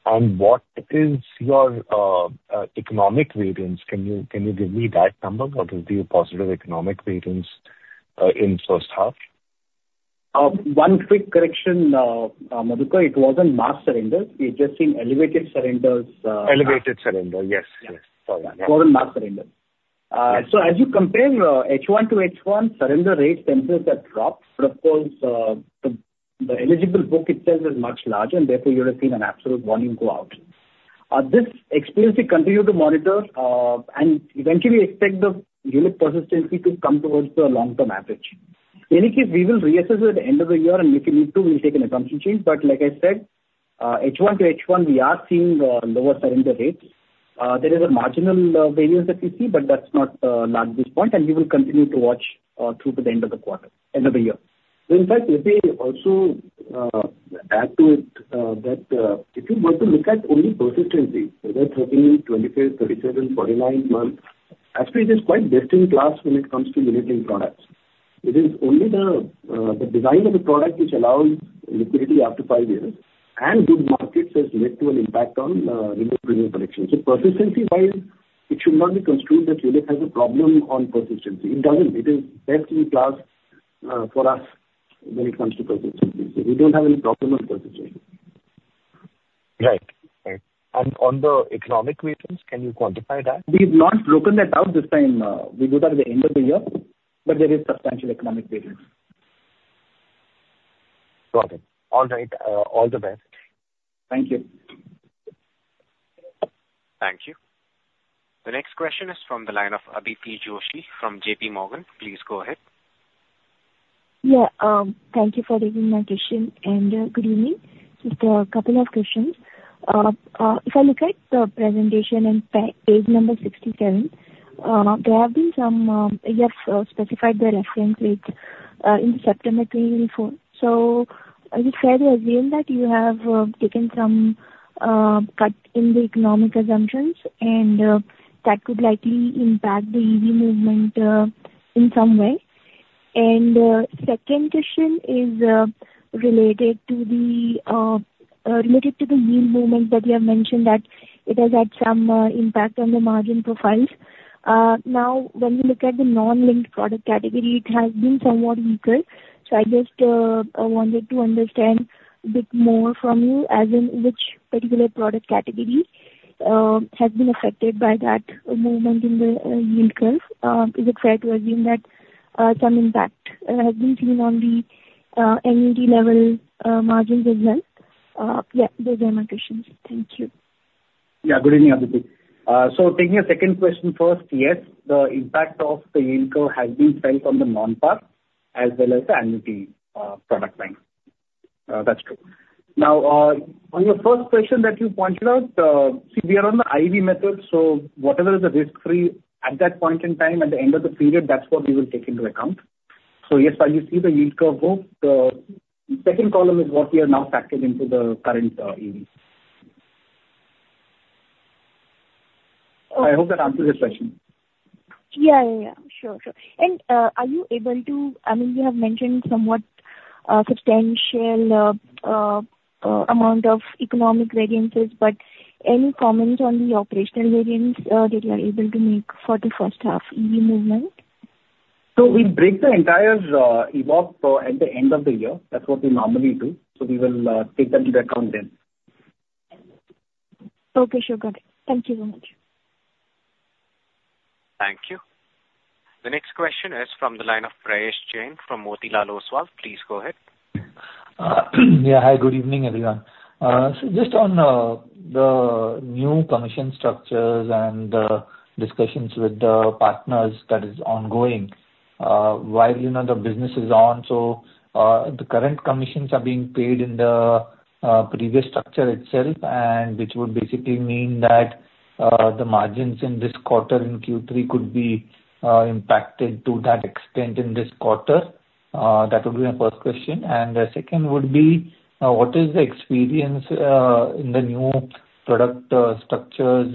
And what is your economic variance? Can you give me that number? What is the positive economic variance in first half? One quick correction, Madhukar. It wasn't mass surrender. We've just seen elevated surrenders. Elevated surrender. Yes, yes. Sorry. It wasn't mass surrender. Yes. So as you compare H1-H1, surrender rates themselves have dropped. But of course, the eligible book itself is much larger, and therefore, you would have seen an absolute volume go out. This experience, we continue to monitor, and eventually we expect the ULIP persistency to come towards the long-term average. In any case, we will reassess it at the end of the year, and if we need to, we'll take an assumption change. But like I said, H1-H1, we are seeing lower surrender rates. There is a marginal variance that we see, but that's not large at this point, and we will continue to watch through to the end of the quarter, end of the year. In fact, let me also add to it that if you were to look at only persistency, whether 13, 25, 37, 49 months, actually it is quite best in class when it comes to unit linked products. It is only the design of the product which allows liquidity after five years, and good markets has led to an impact on renewal premium collection. So persistency-wise, it should not be construed that ULIP has a problem on persistency. It doesn't. It is best in class for us when it comes to persistency. So we don't have any problem on persistency. Right. Right. And on the economic variance, can you quantify that? We've not broken that out this time. We do that at the end of the year, but there is substantial economic variance. Got it. All right. All the best. Thank you. Thank you. The next question is from the line of Abhishek Joshi from J.P. Morgan. Please go ahead. Yeah, thank you for taking my question, and good evening. Just a couple of questions. If I look at the presentation on page 67, there have been some, you have specified the reference rate in September 2024. So is it fair to assume that you have taken some cut in the economic assumptions, and that could likely impact the EV movement in some way? And second question is related to the yield movement that you have mentioned that it has had some impact on the margin profiles. Now, when we look at the non-linked product category, it has been somewhat weaker. So I just, I wanted to understand a bit more from you as in which particular product category has been affected by that movement in the yield curve. Is it fair to assume that some impact has been seen on the annuity level margins as well? Yeah, those are my questions. Thank you. Yeah, good evening, Abhishek. So taking your second question first, yes, the impact of the yield curve has been felt on the non-par as well as the annuity product line. That's true. Now, on your first question that you pointed out, see, we are on the IEV method, so whatever is the risk-free at that point in time, at the end of the period, that's what we will take into account. So yes, as you see the yield curve move, the second column is what we have now factored into the current EV. I hope that answers your question. Yeah, yeah, yeah. Sure, sure. And are you able to? I mean, you have mentioned somewhat substantial amount of economic variances, but any comments on the operational variance that you are able to make for the first half EV movement? So we break the entire EVOP at the end of the year. That's what we normally do. So we will take that into account then. Okay, sure, got it. Thank you very much. Thank you. The next question is from the line of Prayesh Jain from Motilal Oswal. Please go ahead. Yeah, hi, good evening, everyone. So just on the new commission structures and discussions with the partners that is ongoing while you know the business is on. So the current commissions are being paid in the previous structure itself, and which would basically mean that the margins in this quarter, in Q3, could be impacted to that extent in this quarter. That would be my first question. And the second would be what is the experience in the new product structures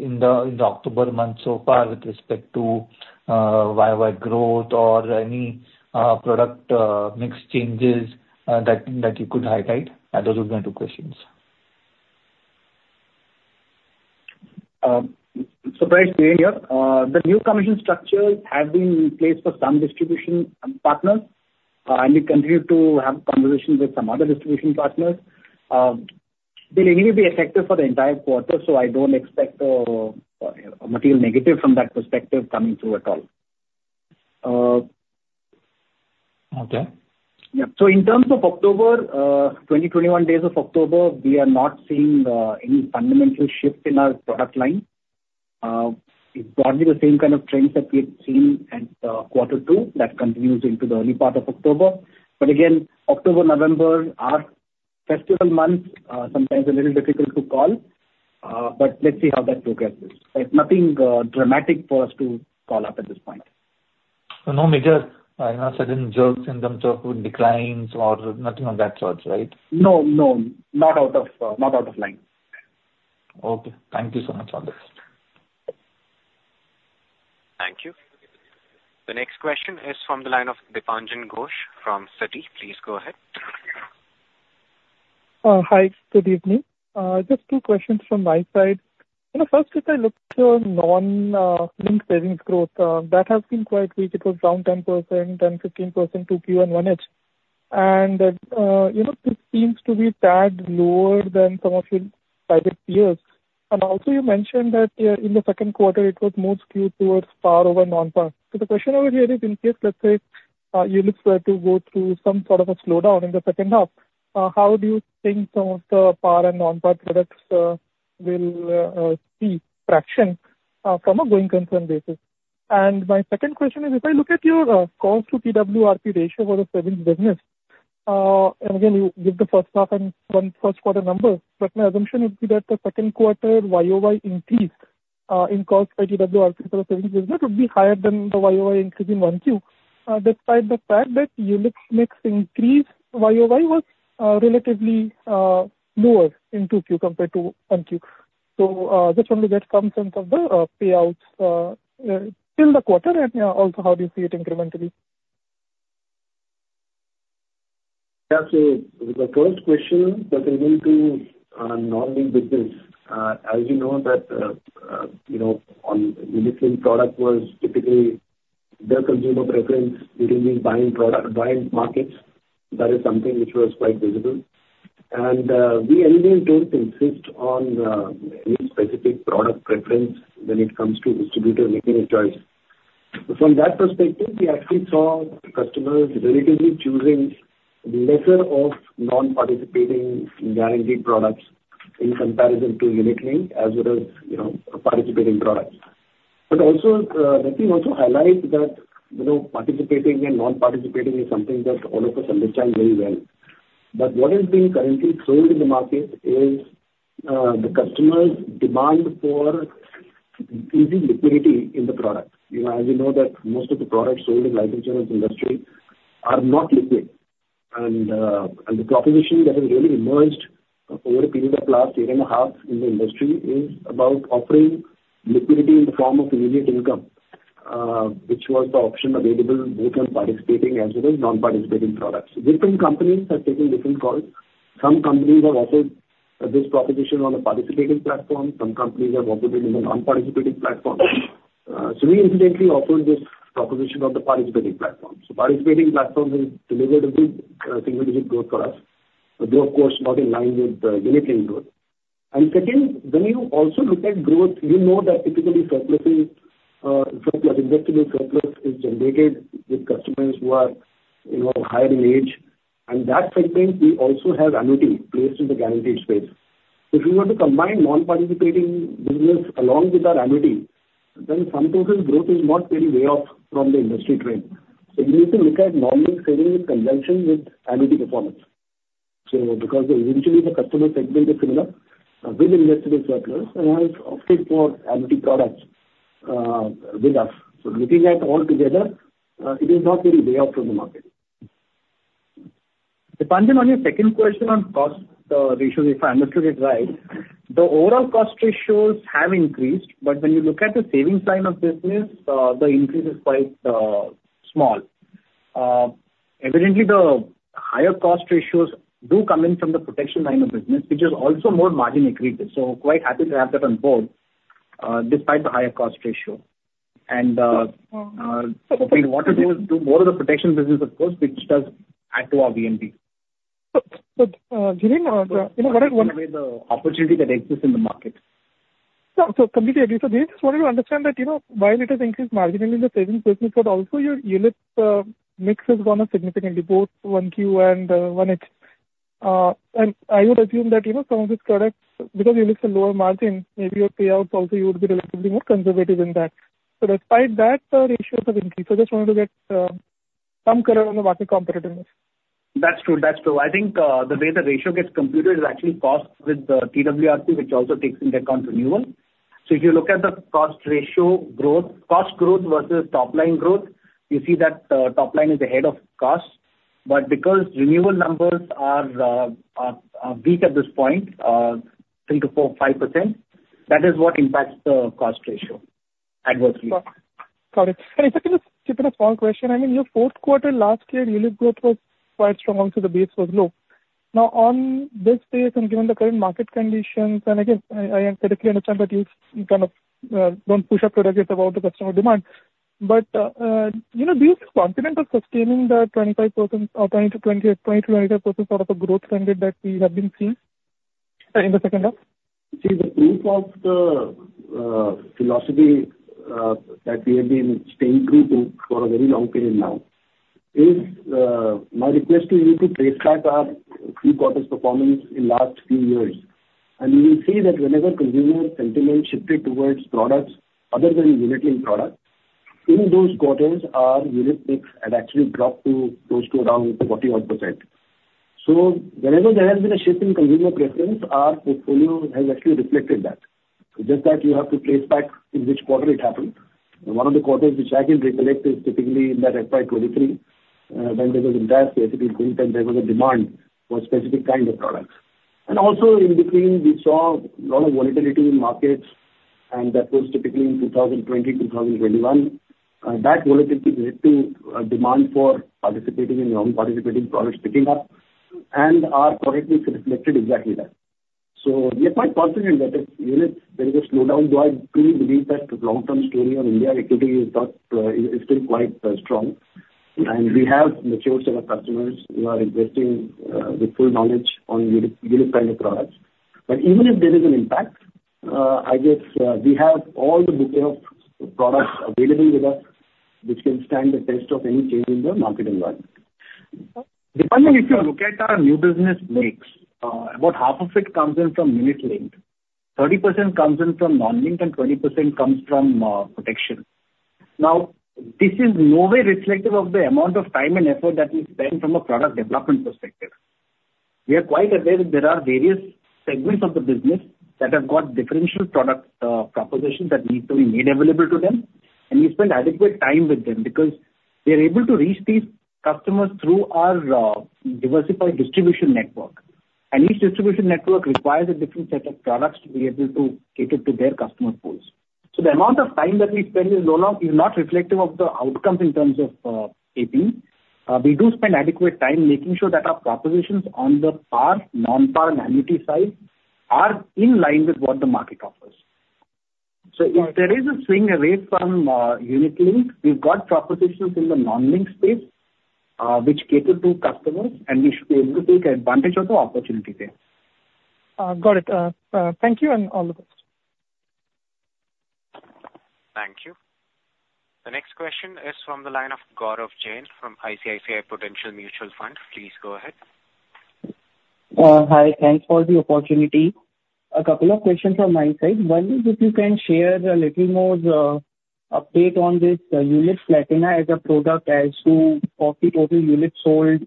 in the October month so far with respect to YoY growth or any product mix changes that you could highlight? Those are my two questions. So, Prayesh, hearing you. The new commission structures have been in place for some distribution and partners, and we continue to have conversations with some other distribution partners. They'll anyway be effective for the entire quarter, so I don't expect material negative from that perspective coming through at all. Okay. Yeah. So in terms of October, 21 days of October, we are not seeing any fundamental shift in our product line. It's broadly the same kind of trends that we had seen in quarter two. That continues into the early part of October. But again, October, November are festival months, sometimes a little difficult to call, but let's see how that progresses. But nothing dramatic for us to call out at this point. So no major, you know, sudden jerks in terms of declines or nothing of that sort, right? No, no, not out of line. Okay, thank you so much for this. Thank you. The next question is from the line of Deepanjan Ghosh from Citi. Please go ahead. Hi, good evening. Just two questions from my side. You know, first, if I look to your non-linked savings growth, that has been quite weak. It was down 10% and 15% YoY in Q1. And you know, this seems to be a tad lower than some of your private peers. And also, you mentioned that in the second quarter, it was more skewed towards par over non-par. So the question over here is, in case, let's say, ULIPs were to go through some sort of a slowdown in the second half, how do you think some of the par and non-par products will see traction from a going concern basis? And my second question is, if I look at your, cost to RWRP ratio for the savings business, and again, you give the first half and first quarter numbers, but my assumption would be that the second quarter YoY increase, in cost by RWRP for the savings business would be higher than the YoY increase in one Q, despite the fact that ULIPs mix increase YoY was, relatively, lower in 2Q compared to one Q. So, just wanted to get some sense of the, payouts, in the quarter, and, also how do you see it incrementally? Yeah, so the first question with regard to non-linked business, as you know that, you know, on the ULIP plan product was typically the consumer preference between these buying product, buying markets. That is something which was quite visible. We anyway don't insist on any specific product preference when it comes to distributor making a choice. From that perspective, we actually saw customers relatively choosing lesser of non-participating guaranteed products in comparison to ULIP plan, as well as, you know, participating products. Let me also highlight that, you know, participating and non-participating is something that all of us understand very well. What is being currently sold in the market is the customers' demand for easy liquidity in the product. You know, as you know, that most of the products sold in life insurance industry are not liquid. The proposition that has really emerged over a period of last year and a half in the industry is about offering liquidity in the form of immediate income, which was the option available both on participating as well as non-participating products. Different companies have taken different calls. Some companies have offered this proposition on a participating platform, some companies have offered it in a non-participating platform, so we incidentally offered this proposition on the participating platform, so participating platform has delivered a good, significant growth for us, but they are of course not in line with the unit-linked growth, and second, when you also look at growth, you know that typically surpluses, investable surplus is generated with customers who are, you know, higher in age, and that segment we also have annuity placed in the guaranteed space. If you were to combine non-participating business along with our annuity, then savings growth is not very way off from the industry trend. So you need to look at non-linked savings in conjunction with annuity performance. So because eventually the customer segment is similar, with investable surplus and has opted for annuity products, with us. So looking at all together, it is not very way off from the market. Deepanjan, on your second question on cost ratios, if I understood it right, the overall cost ratios have increased, but when you look at the savings line of business, the increase is quite small. Evidently the higher cost ratios do come in from the protection line of business, which is also more margin accretive, so quite happy to have that on board, despite the higher cost ratio. We want to do more of the protection business, of course, which does add to our VNB. But, given, you know, what I want- Given the opportunity that exists in the market. No, so completely agree. So we just wanted to understand that, you know, while it has increased marginally in the savings business, but also your unit mix has gone up significantly, both 1Q and 1H. And I would assume that, you know, some of these products, because units are lower margin, maybe your payouts also, you would be relatively more conservative in that. So despite that, the ratios have increased. I just wanted to get some color on the market competitiveness. That's true. That's true. I think, the way the ratio gets computed is actually cost to the TWRP, which also takes into account renewal. So if you look at the cost ratio growth, cost growth versus top line growth, you see that, top line is ahead of cost. But because renewal numbers are weak at this point, 3%-5%, that is what impacts the cost ratio adversely. Got it. And second, just a small question. I mean, your fourth quarter last year, unit growth was quite strong, also the base was low. Now, on this base and given the current market conditions, and again, I completely understand that you kind of don't push your products above the customer demand. But, you know, do you feel confident of sustaining the 25% or 20%-20.2% sort of a growth trend that we have been seeing in the second half? See, the proof of the philosophy that we have been staying true to for a very long period now is my request to you to trace back our three quarters performance in last few years, and you will see that whenever consumer sentiment shifted towards products other than unit linked products, in those quarters, our unit mix had actually dropped to close to around 40-odd%. So whenever there has been a shift in consumer preference, our portfolio has actually reflected that. Just that you have to trace back in which quarter it happened. And one of the quarters which I can recollect is typically in that FY 2023, when there was impact to equity and there was a demand for specific kind of products. And also in between, we saw a lot of volatility in markets, and that was typically in 2020, 2021. That volatility led to a demand for participating and non-participating products picking up, and our products reflected exactly that. So we are quite confident that if there is a slowdown, do I truly believe that long-term story on Indian equity is not, it is still quite strong. And we have mature set of customers who are investing with full knowledge on unit-linked products. But even if there is an impact, I guess we have all the bouquet of products available with us, which can stand the test of any change in the market environment. Deepanjan, if you look at our new business mix, about half of it comes in from unit-linked, 30% comes in from non-linked, and 20% comes from protection. Now, this is in no way reflective of the amount of time and effort that we spend from a product development perspective. We are quite aware that there are various segments of the business that have got differential product propositions that need to be made available to them, and we spend adequate time with them because we are able to reach these customers through our diversified distribution network. And each distribution network requires a different set of products to be able to cater to their customer pools. So the amount of time that we spend is not reflective of the outcomes in terms of APE. We do spend adequate time making sure that our propositions on the par, non-par and annuity side are in line with what the market offers, so if there is a swing away from unit-linked, we've got propositions in the non-linked space, which cater to customers, and we should be able to take advantage of the opportunity there. Got it. Thank you and all the best. Thank you. The next question is from the line of Gaurav Jain from ICICI Prudential Mutual Fund. Please go ahead. Hi, thanks for the opportunity. A couple of questions from my side. One is if you can share a little more update on this unit Platinum as a product as to what the total units sold,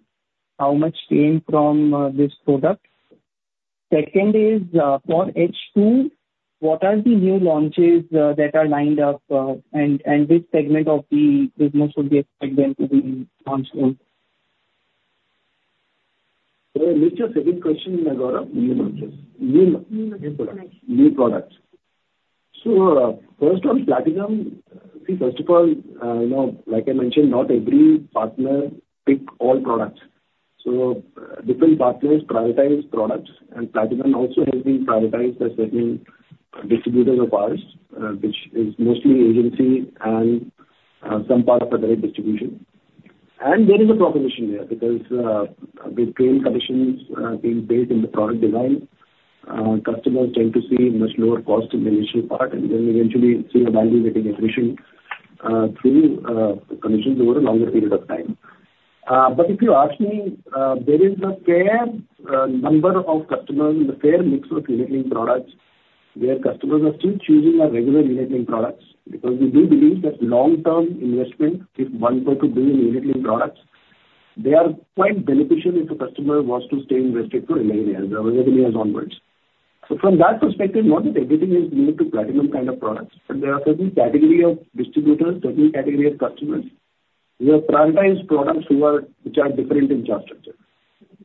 how much change from this product? Second is, for H2, what are the new launches that are lined up, and which segment of the business should we expect them to be launched on? Repeat your second question again, Gaurav. New launches? New launches. New products. So first on Platinum, see, first of all, you know, like I mentioned, not every partner pick all products. So, different partners prioritize products, and Platinum also helping prioritize the certain distributors of ours, which is mostly agency and, some part of the direct distribution. And there is a proposition there because, the claim conditions, being based in the product design, customers tend to see much lower cost in the initial part and then eventually see the value getting accretion, through, conditions over a longer period of time. But if you ask me, there is a fair number of customers and a fair mix of unit linked products, where customers are still choosing our regular unit linked products. Because we do believe that long-term investment is 1.2 billion unit-linked products, they are quite beneficial if a customer was to stay invested for 11 years, or 11 years onwards. So from that perspective, not that everything is linked to Platinum kind of products, but there are certain category of distributors, certain category of customers, we have prioritized products which are different in structure.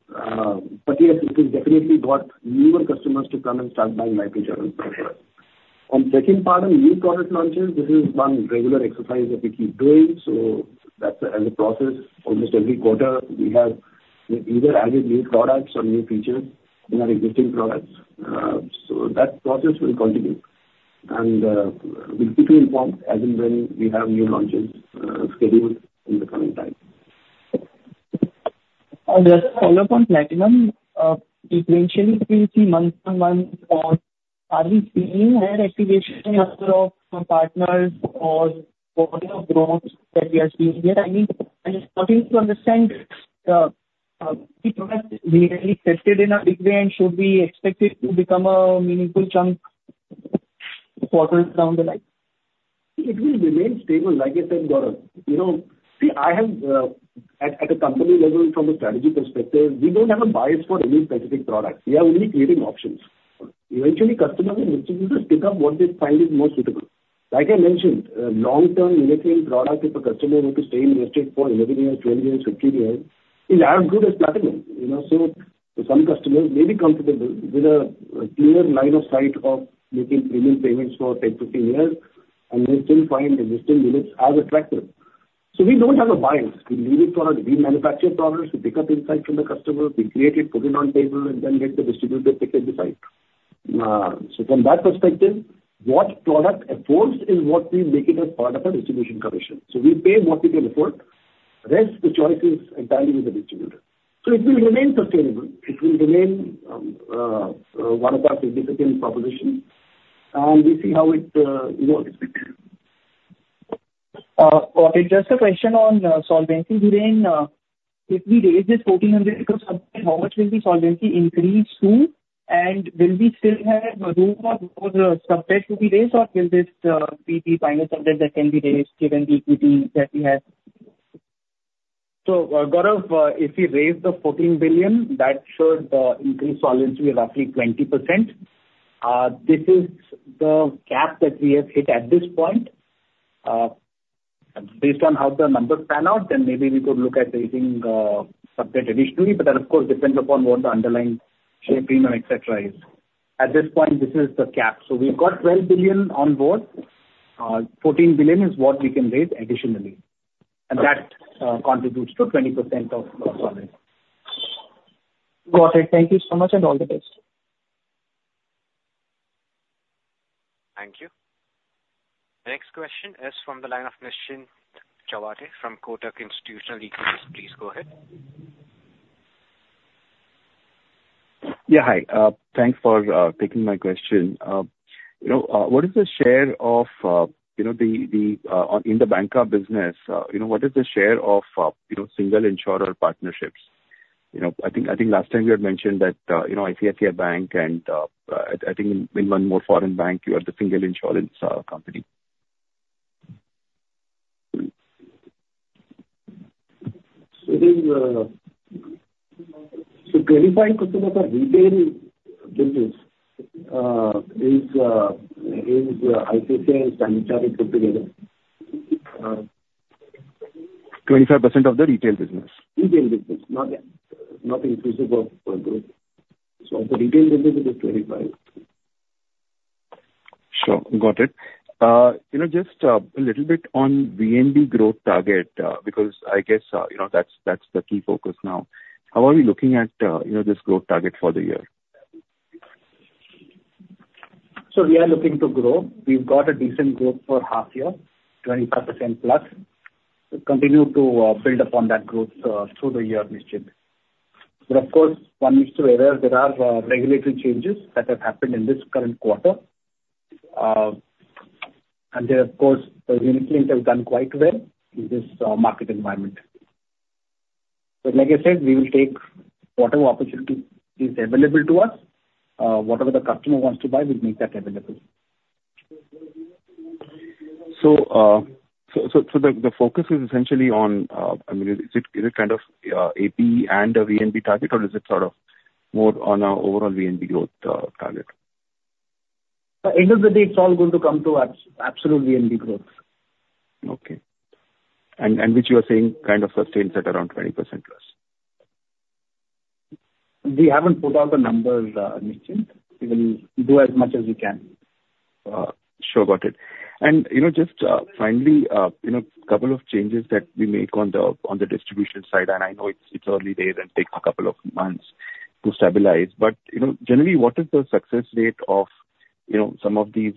But yes, it has definitely got newer customers to come and start buying market -linked products. On second part, on new product launches, this is one regular exercise that we keep doing, so that's as a process. Almost every quarter we have either added new products or new features in our existing products. So that process will continue, and we'll keep you informed as and when we have new launches scheduled in the coming time. Just a follow-up on Platinum. Sequentially, we see month on month, are we seeing higher activation in number of partners or volume of growth that we are seeing here? I mean, I'm starting to understand, to a degree, the product really tested, and should we expect it to become a meaningful chunk quarters down the line? It will remain stable. Like I said, Gaurav, you know, see, I have at a company level, from a strategy perspective, we don't have a bias for any specific product. We are only creating options. Eventually, customers and distributors pick up what they find is more suitable. Like I mentioned, long-term unit linked product, if a customer were to stay invested for eleven years, twelve years, fifteen years, is as good as Platinum, you know? So some customers may be comfortable with a clear line of sight of making premium payments for ten, fifteen years, and they still find existing units as attractive. So we don't have a bias. We leave it for our manufacturing partners to pick up insight from the customer. We create it, put it on the table, and then let the distributor pick and decide. So from that perspective, what product affords is what we make it as part of our distribution commission. So we pay what we can afford. The rest, the choice is entirely with the distributor. So it will remain sustainable. It will remain one of our significant propositions, and we see how it goes with it. Okay. Just a question on solvency. If we raise this 1,400 crores sub-debt, how much will the solvency increase to? And will we still have room for more sub-debt to be raised, or will this be the final sub-debt that can be raised given the equity that we have? So, Gaurav, if we raise 14 billion, that should increase solvency roughly 20%. This is the cap that we have hit at this point. Based on how the numbers pan out, then maybe we could look at raising subject additionally, but that, of course, depends upon what the underlying share premium, et cetera, is. At this point, this is the cap. So we've got 12 billion on board. 14 billion is what we can raise additionally, and that contributes to 20% of solvency. Got it. Thank you so much, and all the best. Thank you. Next question is from the line of Nischint Chawathe from Kotak Institutional Equities. Please go ahead. Yeah, hi. Thanks for taking my question. You know, what is the share of, you know, the in the banca business, you know, what is the share of, you know, single insurer partnerships? You know, I think last time you had mentioned that, you know, ICICI Bank and, I think in one more foreign bank, you are the single insurance company. It is. To clarify, customer for retail business is ICICI Bank together. 25% of the retail business. Retail business, not inclusive of both. So of the retail business, it is twenty-five. Sure. Got it. You know, just a little bit on VNB growth target, because I guess, you know, that's, that's the key focus now. How are you looking at, you know, this growth target for the year? So we are looking to grow. We've got a decent growth for half year, 25% plus. We continue to build upon that growth through the year, Nischint. But of course, one needs to aware there are regulatory changes that have happened in this current quarter. And then of course, the unit link has done quite well in this market environment. So like I said, we will take whatever opportunity is available to us. Whatever the customer wants to buy, we'll make that available. So, the focus is essentially on, I mean, is it kind of AP and a VNB target, or is it sort of more on a overall VNB growth target? At the end of the day, it's all going to come to absolute VNB growth. Okay. And which you are saying kind of sustains at around 20% plus? We haven't put out the numbers, Nischint. We will do as much as we can. Sure about it. And you know, just finally, you know, couple of changes that we make on the distribution side, and I know it's early days and take a couple of months to stabilize. But you know, generally, what is the success rate of you know, some of these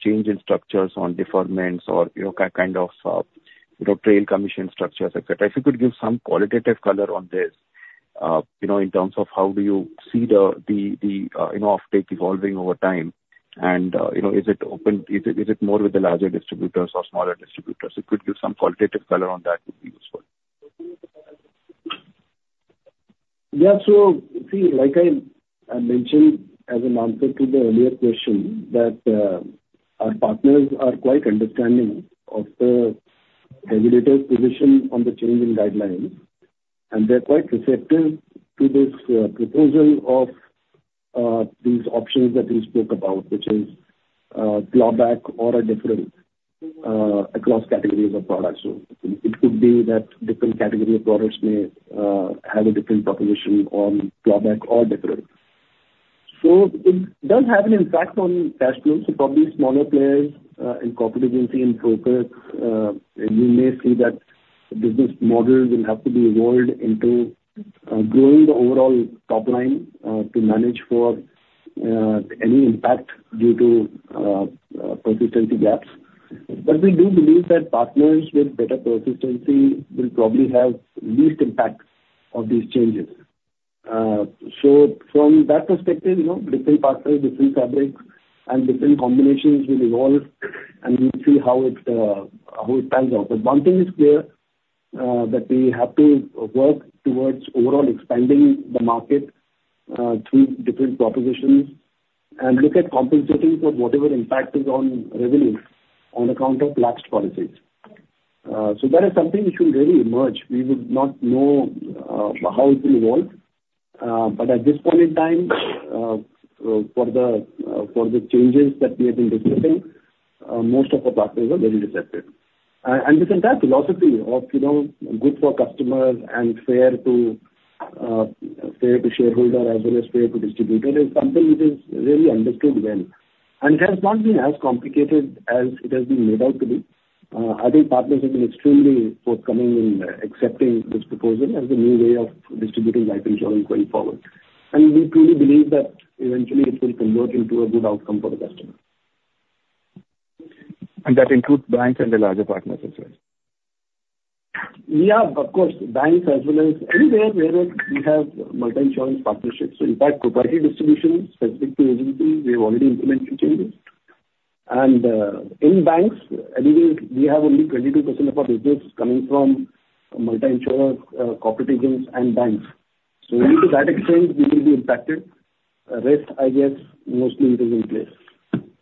change in structures on deferments or you know, kind of you know, trail commission structures, et cetera. If you could give some qualitative color on this you know, in terms of how do you see the you know, offtake evolving over time? And you know, is it open... Is it more with the larger distributors or smaller distributors? If you could give some qualitative color on that would be useful. Yeah. So see, like I, I mentioned as an answer to the earlier question, that our partners are quite understanding of the regulator's position on the changing guidelines, and they're quite receptive to this proposal of these options that we spoke about, which is clawback or a different across categories of products. So it could be that different category of products may have a different proposition on clawback or deferment. So it does have an impact on cash flows. So probably smaller players in corporate agency in focus, and we may see that business models will have to be evolved into growing the overall top line to manage for any impact due to persistency gaps. But we do believe that partners with better persistency will probably have least impact of these changes. So from that perspective, you know, different partners, different fabrics and different combinations will evolve, and we'll see how it pans out. But one thing is clear, that we have to work towards overall expanding the market, through different propositions and look at compensating for whatever impact is on revenues on account of lapsed policies. So that is something which will really emerge. We would not know, how it will evolve, but at this point in time, for the changes that we have been discussing, most of the partners are very receptive. And this entire philosophy of, you know, good for customers and fair to, fair to shareholder, as well as fair to distributor, is something which is really understood well and it has not been as complicated as it has been made out to be. I think partners have been extremely forthcoming in, accepting this proposal as a new way of distributing life insurance going forward. And we truly believe that eventually it will convert into a good outcome for the customer. That includes banks and the larger partners as well? Yeah, of course, banks as well as anywhere where we have multi-insurance partnerships. So in fact, proprietary distribution specific to agencies, we have already implemented changes. And, in banks, I mean, we have only 22% of our business coming from multi-insurer corporate agents and banks. So only to that extent we will be impacted. Rest, I guess, mostly it is in place.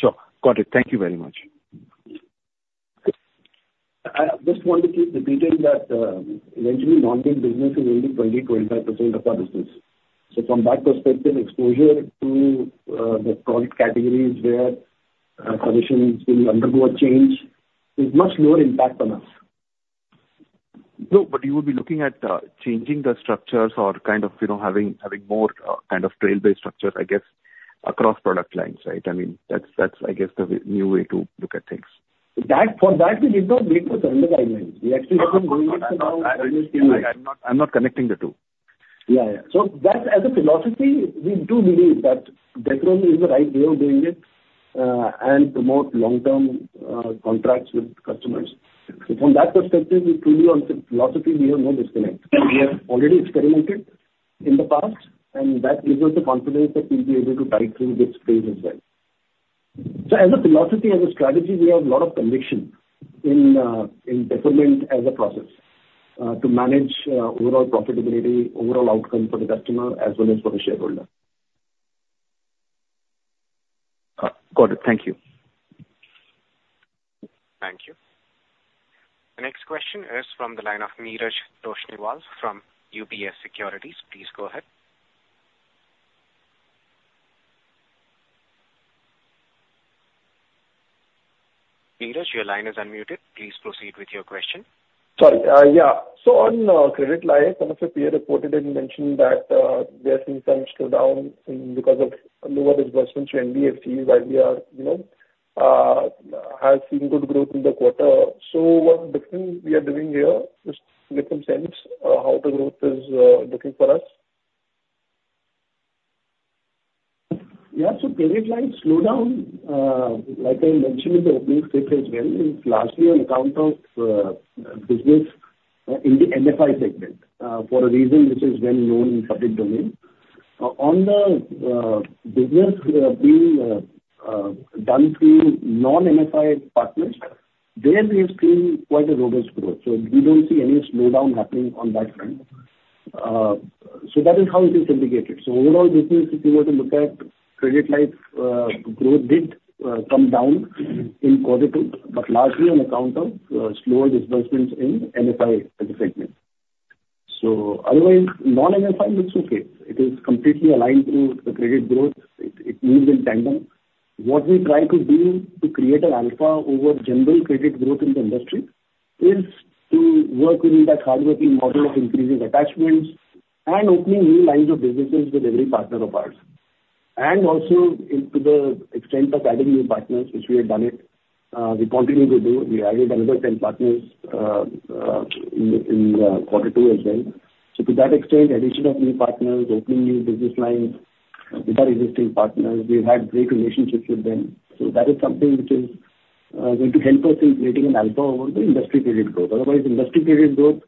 Sure. Got it. Thank you very much. I just want to keep the detail that eventually non-linked business is only 25% of our business. So from that perspective, exposure to the product categories where commissions will undergo a change is much lower impact on us. No, but you would be looking at changing the structures or kind of, you know, having more kind of trail-based structures, I guess, across product lines, right? I mean, that's, I guess, the new way to look at things. That, for that we did not wait for under the guidelines. We actually I'm not connecting the two. Yeah, yeah. So that, as a philosophy, we do believe that deferment is the right way of doing it and promote long-term contracts with customers. So from that perspective, it's really a philosophy, we have no disconnect. We have already experimented in the past, and that gives us the confidence that we'll be able to tide through this phase as well. So as a philosophy, as a strategy, we have a lot of conviction in deferment as a process to manage overall profitability, overall outcome for the customer as well as for the shareholder. Got it. Thank you. Thank you. The next question is from the line of Neeraj Toshniwal from UBS Securities. Please go ahead. Neeraj, your line is unmuted. Please proceed with your question. Sorry, yeah. So on credit line, some of your peer reported and mentioned that they have seen some slowdown in because of lower disbursements to NBFCs, while we are, you know, have seen good growth in the quarter. So what different we are doing here? Just get some sense of how the growth is looking for us. Yeah, so credit line slowdown, like I mentioned in the opening script as well, is largely on account of, business, in the NFI segment, for a reason which is well known in public domain. On the, business, being, done through non-MFI partners, there we have seen quite a robust growth. So we don't see any slowdown happening on that front. So that is how it is syndicated. So overall, this means if you were to look at credit life, growth did, come down in quarter two, but largely on account of, slower disbursements in NFI as a segment. So otherwise, non-MFI looks okay. It is completely aligned to the credit growth. It moves in tandem. What we try to do to create an alpha over general credit growth in the industry is to work with that hardworking model of increasing attachments and opening new lines of businesses with every partner of ours. And also, it to the extent of adding new partners, which we have done it, we continue to do. We added another 10 partners in quarter two as well. So to that extent, addition of new partners, opening new business lines with our existing partners, we've had great relationships with them. So that is something which is going to help us in creating an alpha over the industry credit growth. Otherwise, industry credit growth,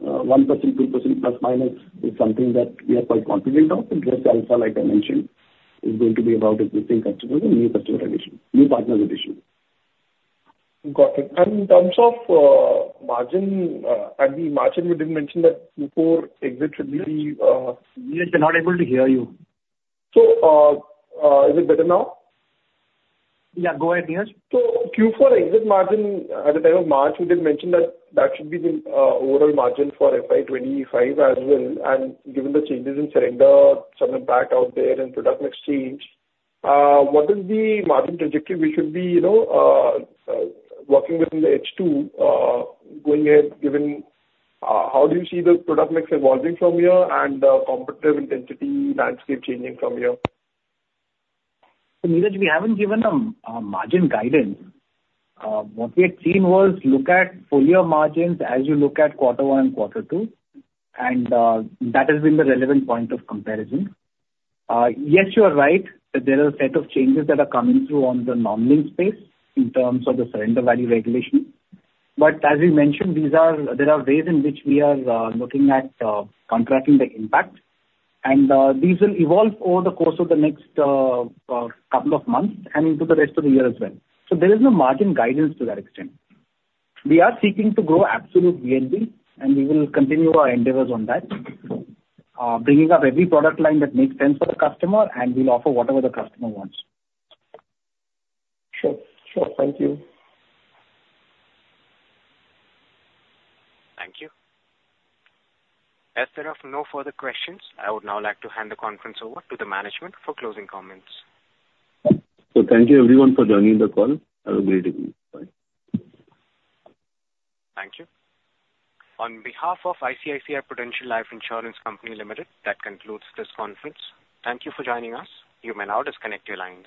1%, 2%, plus, minus, is something that we are quite confident of, but this alpha, like I mentioned, is going to be about existing customers and new customer addition, new partner addition. Got it. And in terms of margin, at the margin, you did mention that Q4 exits should be- Neeraj, we're not able to hear you. So, is it better now? Yeah, go ahead, Neeraj. So Q4 exit margin at the time of March, you did mention that that should be the, overall margin for FY 2025 as well. And given the changes in surrender, some impact out there and product mix change, what is the margin trajectory we should be, you know, working with in the H2, going ahead, given, how do you see the product mix evolving from here and the competitive intensity landscape changing from here? So Neeraj, we haven't given a margin guidance. What we have seen was, look at full year margins as you look at quarter one and quarter two, and that has been the relevant point of comparison. Yes, you are right, that there are a set of changes that are coming through on the non-linked space in terms of the surrender value regulation. But as we mentioned, these are there are ways in which we are looking at contracting the impact. And these will evolve over the course of the next couple of months and into the rest of the year as well. So there is no margin guidance to that extent. We are seeking to grow absolute VNB, and we will continue our endeavors on that, bringing up every product line that makes sense for the customer, and we'll offer whatever the customer wants. Sure. Sure. Thank you. Thank you. As there are no further questions, I would now like to hand the conference over to the management for closing comments. So thank you everyone for joining the call. Have a great evening. Bye. Thank you. On behalf of ICICI Prudential Life Insurance Company Limited, that concludes this conference. Thank you for joining us. You may now disconnect your lines.